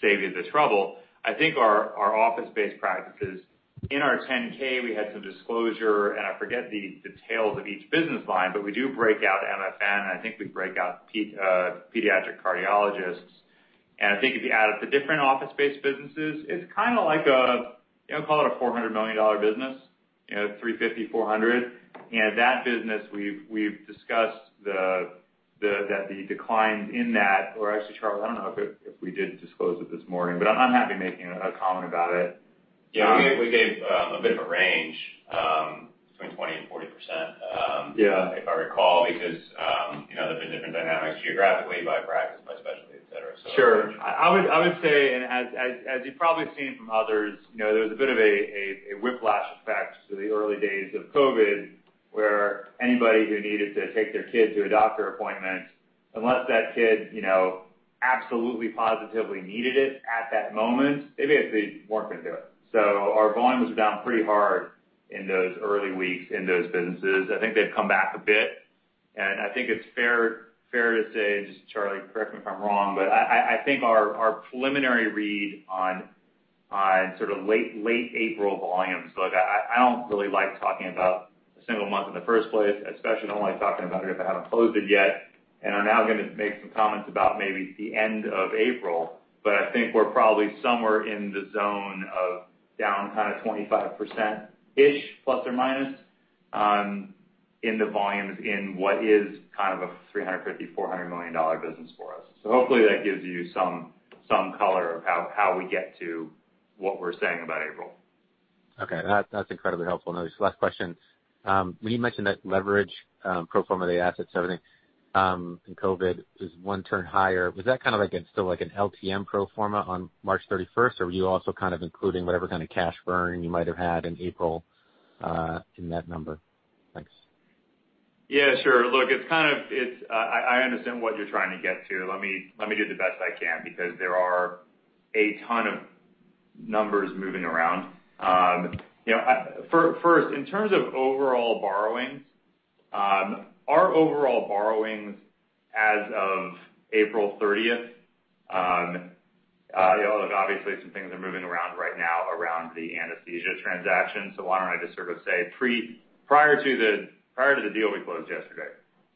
save you the trouble. I think our office-based practices, in our 10-K, we had some disclosure, and I forget the details of each business line, but we do break out MFM, and I think we break out pediatric cardiologists. I think if you add up the different office-based businesses, it's like a $400 million business, $350 million, $400 million. That business, we've discussed that the declines in that Or actually, Charlie, I don't know if we did disclose it this morning, but I'm happy making a comment about it. Yeah, we gave a bit of a range between 20% and 40%. Yeah if I recall, because there's been different dynamics geographically by practice, by specialty, et cetera. Sure. I would say, and as you've probably seen from others, there was a bit of a whiplash effect to the early days of COVID-19. Anybody who needed to take their kid to a doctor appointment, unless that kid absolutely, positively needed it at that moment, they basically weren't going to do it. Our volumes were down pretty hard in those early weeks in those businesses. I think they've come back a bit, and I think it's fair to say, Charlie, correct me if I'm wrong, but I think our preliminary read on sort of late April volumes, look, I don't really like talking about a single month in the first place, especially don't like talking about it if I haven't closed it yet, and I'm now going to make some comments about maybe the end of April. I think we're probably somewhere in the zone of down kind of 25%±ish, in the volumes in what is kind of a $350, $400 million business for us. Hopefully that gives you some color of how we get to what we're saying about April. Okay. That's incredibly helpful. Now these last questions. When you mentioned that leverage pro forma, the assets, everything, and COVID is one turn higher, was that kind of like an LTM pro forma on March 31st, or were you also kind of including whatever kind of cash burn you might have had in April in that number? Thanks. Yeah, sure. Look, I understand what you're trying to get to. Let me do the best I can because there are a ton of numbers moving around. First, in terms of overall borrowings, our overall borrowings as of April 30th. Look, obviously some things are moving around right now around the anesthesia transaction. Why don't I just sort of say prior to the deal we closed yesterday,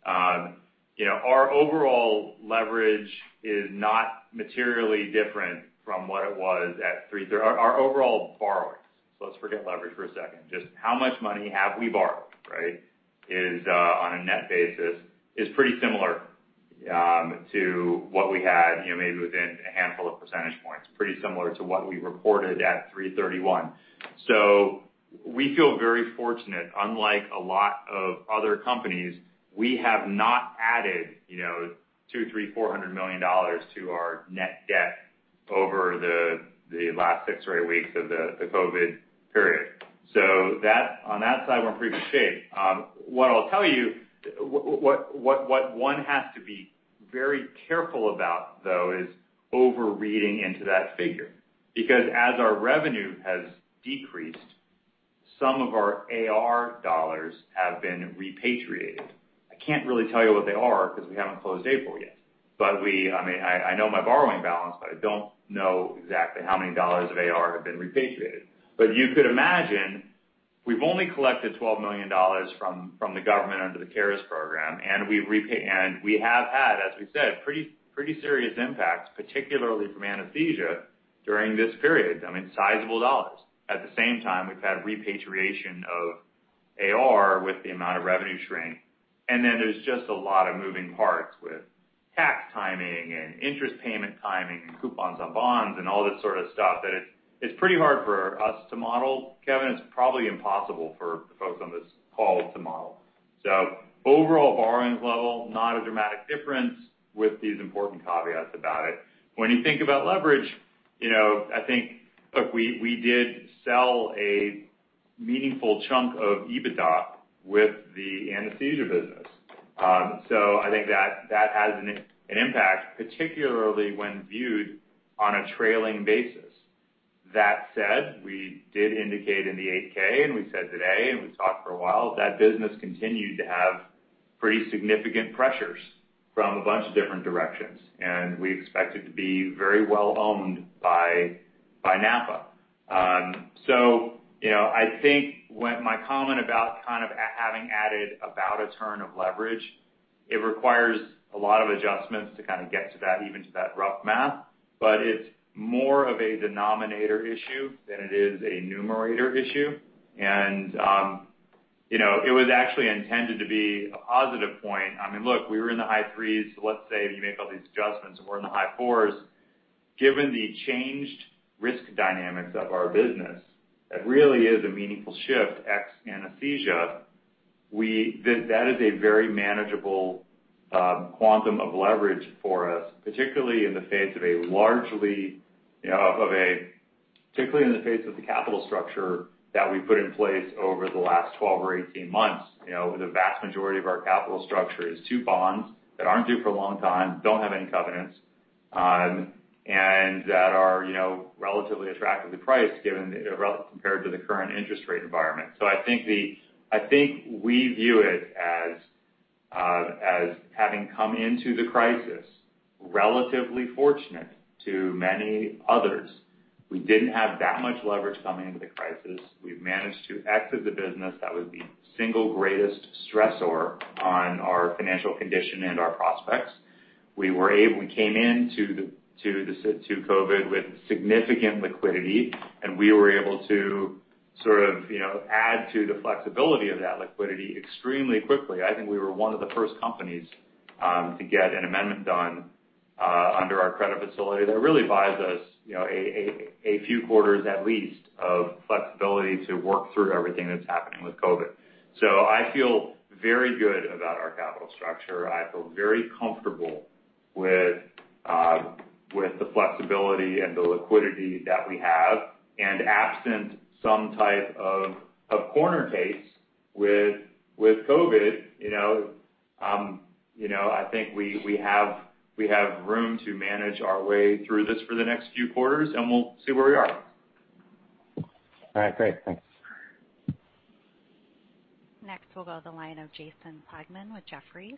our overall leverage is not materially different from what it was at 3/31. Our overall borrowings, let's forget leverage for a second. Just how much money have we borrowed, right? On a net basis is pretty similar to what we had maybe within a handful of percentage points. Pretty similar to what we reported at 3/31. We feel very fortunate. Unlike a lot of other companies, we have not added $200, $300, $400 million to our net debt over the last six or eight weeks of the COVID period. On that side, we're in pretty good shape. What I'll tell you, what one has to be very careful about, though, is over-reading into that figure. Because as our revenue has decreased, some of our AR dollars have been repatriated. I can't really tell you what they are because we haven't closed April yet. I know my borrowing balance, but I don't know exactly how many dollars of AR have been repatriated. You could imagine, we've only collected $12 million from the government under the CARES program, and we have had, as we've said, pretty serious impacts, particularly from anesthesia during this period. I mean, sizable dollars. At the same time, we've had repatriation of AR with the amount of revenue shrink, and then there's just a lot of moving parts with tax timing and interest payment timing and coupons on bonds and all this sort of stuff that it's pretty hard for us to model, Kevin. It's probably impossible for folks on this call to model. Overall borrowings level, not a dramatic difference with these important caveats about it. When you think about leverage, I think, look, we did sell a meaningful chunk of EBITDA with the Anesthesia business. I think that has an impact, particularly when viewed on a trailing basis. That said, we did indicate in the 8-K, and we said today, and we talked for a while, that business continued to have pretty significant pressures from a bunch of different directions. We expect it to be very well-owned by NAPA. I think my comment about kind of having added about a turn of leverage, it requires a lot of adjustments to kind of get to that, even to that rough math, but it's more of a denominator issue than it is a numerator issue. It was actually intended to be a positive point. I mean, look, we were in the high threes. Let's say if you make all these adjustments and we're in the high fours, given the changed risk dynamics of our business, that really is a meaningful shift ex anesthesia. That is a very manageable quantum of leverage for us, particularly in the face of the capital structure that we've put in place over the last 12 or 18 months. The vast majority of our capital structure is 2 bonds that aren't due for a long time, don't have any covenants, and that are relatively attractively priced compared to the current interest rate environment. I think we view it as having come into the crisis relatively fortunate to many others. We didn't have that much leverage coming into the crisis. We've managed to exit the business that was the single greatest stressor on our financial condition and our prospects. We came into COVID with significant liquidity, and we were able to sort of add to the flexibility of that liquidity extremely quickly. I think we were one of the first companies to get an amendment done under our credit facility that really buys us a few quarters, at least, of flexibility to work through everything that's happening with COVID. I feel very good about our capital structure. I feel very comfortable with the flexibility and the liquidity that we have, and absent some type of corner case with COVID, I think we have room to manage our way through this for the next few quarters, and we'll see where we are. All right, great. Thanks. Next, we'll go to the line of Jason Plagman with Jefferies.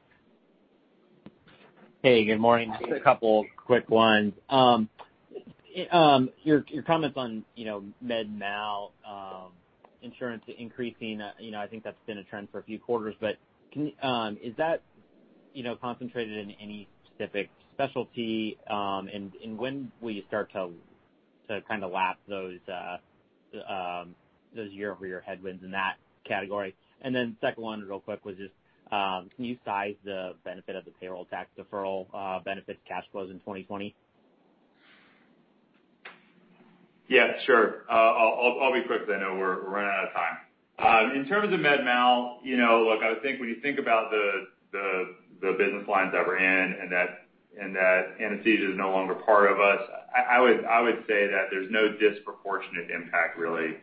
Hey, good morning. Just a couple quick ones. Your comments on med mal insurance increasing, I think that's been a trend for a few quarters. Is that concentrated in any specific specialty? When will you start to kind of lap those year-over-year headwinds in that category? Second one, real quick, can you size the benefit of the payroll tax deferral benefits cash flows in 2020? Yeah, sure. I'll be quick because I know we're running out of time. In terms of med mal, look, I would think when you think about the business lines that we're in, and that anesthesia is no longer part of us, I would say that there's no disproportionate impact, really,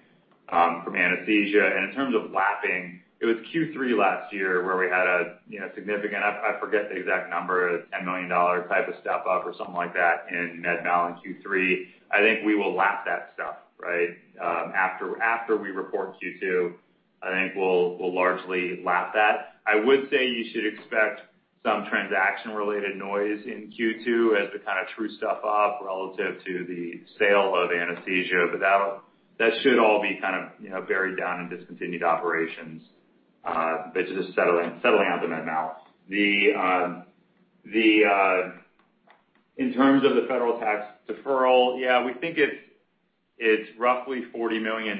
from anesthesia. In terms of lapping, it was Q3 last year where we had a significant, I forget the exact number, a $10 million type of step-up or something like that in med mal in Q3. I think we will lap that stuff, right? After we report Q2, I think we'll largely lap that. I would say you should expect some transaction-related noise in Q2 as we true stuff up relative to the sale of anesthesia. That should all be buried down in discontinued operations. That's just settling out the med mal. In terms of the federal tax deferral, yeah, we think it's roughly $40 million.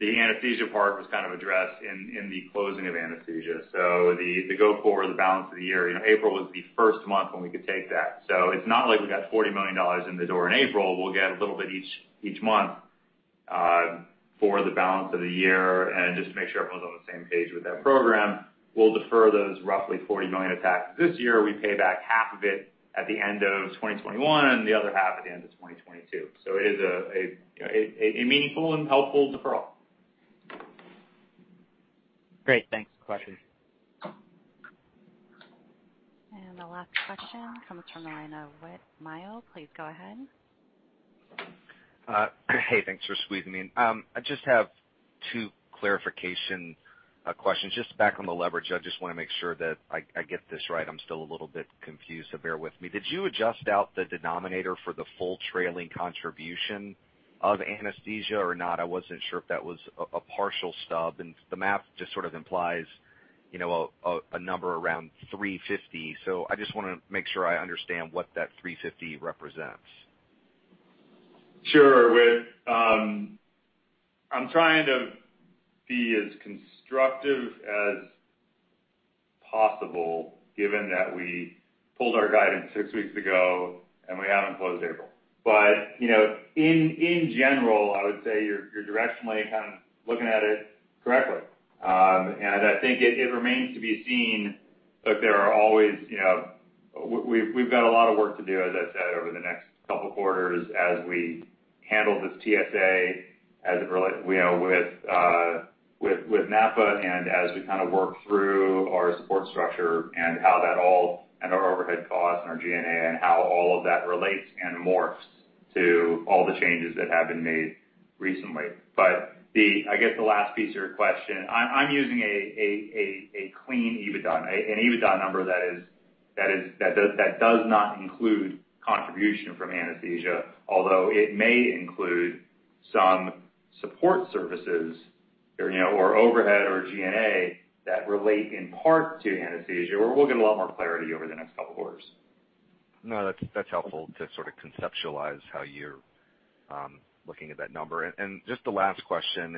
The anesthesia part was kind of addressed in the closing of anesthesia. The go forward, the balance of the year, April was the first month when we could take that. It's not like we got $40 million in the door in April. We'll get a little bit each month for the balance of the year. Just to make sure everyone's on the same page with that program, we'll defer those roughly $40 million of taxes this year. We pay back half of it at the end of 2021, and the other half at the end of 2022. It is a meaningful and helpful deferral. Great. Thanks. Question. The last question comes from the line of Whit Mayo. Please go ahead. Hey, thanks for squeezing me in. I just have two clarification questions. Just back on the leverage, I just want to make sure that I get this right. I'm still a little bit confused. Bear with me. Did you adjust out the denominator for the full trailing contribution of anesthesia or not? I wasn't sure if that was a partial stub. The math just sort of implies a number around 350. I just want to make sure I understand what that 350 represents. Sure, Whit. I'm trying to be as constructive as possible given that we pulled our guidance six weeks ago and we haven't closed April. In general, I would say you're directionally kind of looking at it correctly. I think it remains to be seen, look, there are always We've got a lot of work to do, as I've said, over the next couple of quarters as we handle this TSA, as it relate, with NAPA, and as we kind of work through our support structure and our overhead costs and our G&A and how all of that relates and morphs to all the changes that have been made recently. I guess the last piece of your question, I'm using a clean EBITDA, an EBITDA number that does not include contribution from anesthesia, although it may include some support services or overhead or G&A that relate in part to anesthesia, where we'll get a lot more clarity over the next couple of quarters. No, that's helpful to sort of conceptualize how you're looking at that number. Just the last question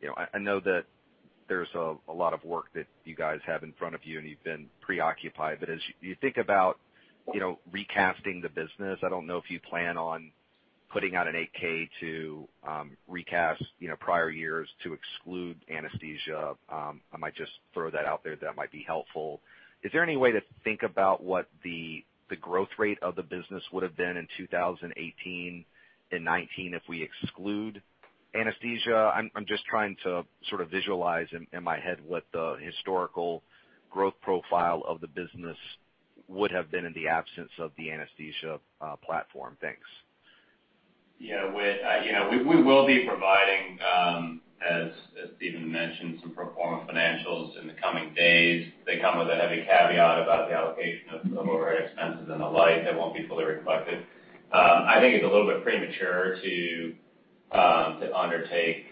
is, I know that there's a lot of work that you guys have in front of you, and you've been preoccupied, as you think about recasting the business, I don't know if you plan on putting out an 8-K to recast prior years to exclude anesthesia. I might just throw that out there. That might be helpful. Is there any way to think about what the growth rate of the business would have been in 2018 and 2019 if we exclude anesthesia? I'm just trying to sort of visualize in my head what the historical growth profile of the business would have been in the absence of the anesthesia platform. Thanks. Yeah, Whit. We will be providing, as Stephen mentioned, some pro forma financials in the coming days. They come with a heavy caveat about the allocation of overhead expenses and the like that won't be fully reflected. I think it's a little bit premature to undertake,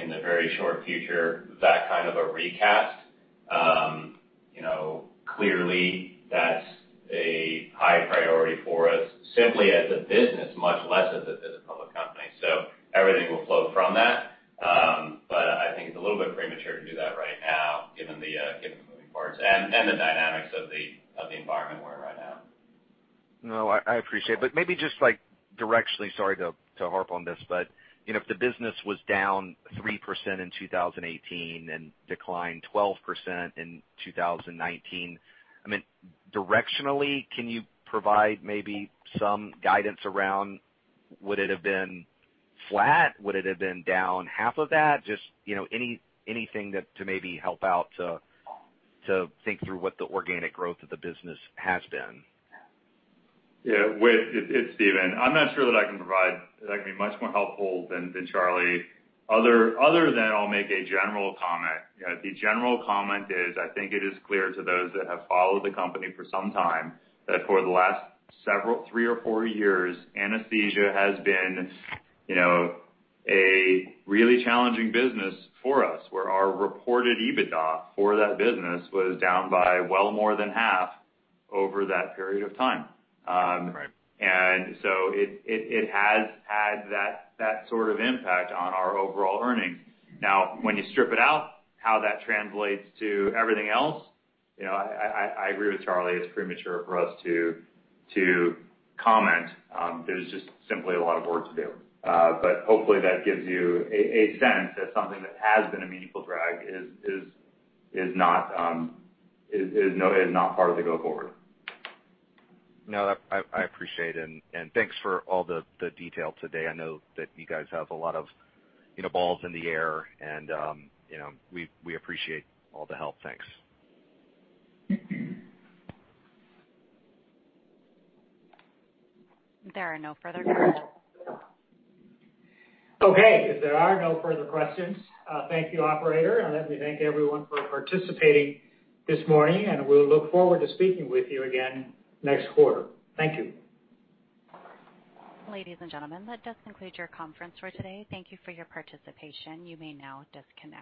in the very short future, that kind of a recast. Clearly, that's a high priority for us simply as a business, much less as a public company. Everything will flow from that. I think it's a little bit premature to do that right now given the moving parts and the dynamics of the environment we're in right now. No, I appreciate. Maybe just directionally, sorry to harp on this, but if the business was down 3% in 2018 and declined 12% in 2019, directionally, can you provide maybe some guidance around would it have been flat? Would it have been down half of that? Just anything to maybe help out to think through what the organic growth of the business has been. Yeah. Whit, it's Stephen. I'm not sure that I can be much more helpful than Charlie. Other than I'll make a general comment. The general comment is, I think it is clear to those that have followed the company for some time, that for the last several, three or four years, anesthesia has been a really challenging business for us, where our reported EBITDA for that business was down by well more than half over that period of time. Right. It has had that sort of impact on our overall earnings. When you strip it out, how that translates to everything else, I agree with Charlie, it's premature for us to comment. There's just simply a lot of work to do. Hopefully, that gives you a sense that something that has been a meaningful drag is not part of the go forward. No, I appreciate. Thanks for all the detail today. I know that you guys have a lot of balls in the air. We appreciate all the help. Thanks. There are no further questions. Okay, if there are no further questions, thank you, operator. Let me thank everyone for participating this morning. We'll look forward to speaking with you again next quarter. Thank you. Ladies and gentlemen, that does conclude your conference for today. Thank you for your participation. You may now disconnect.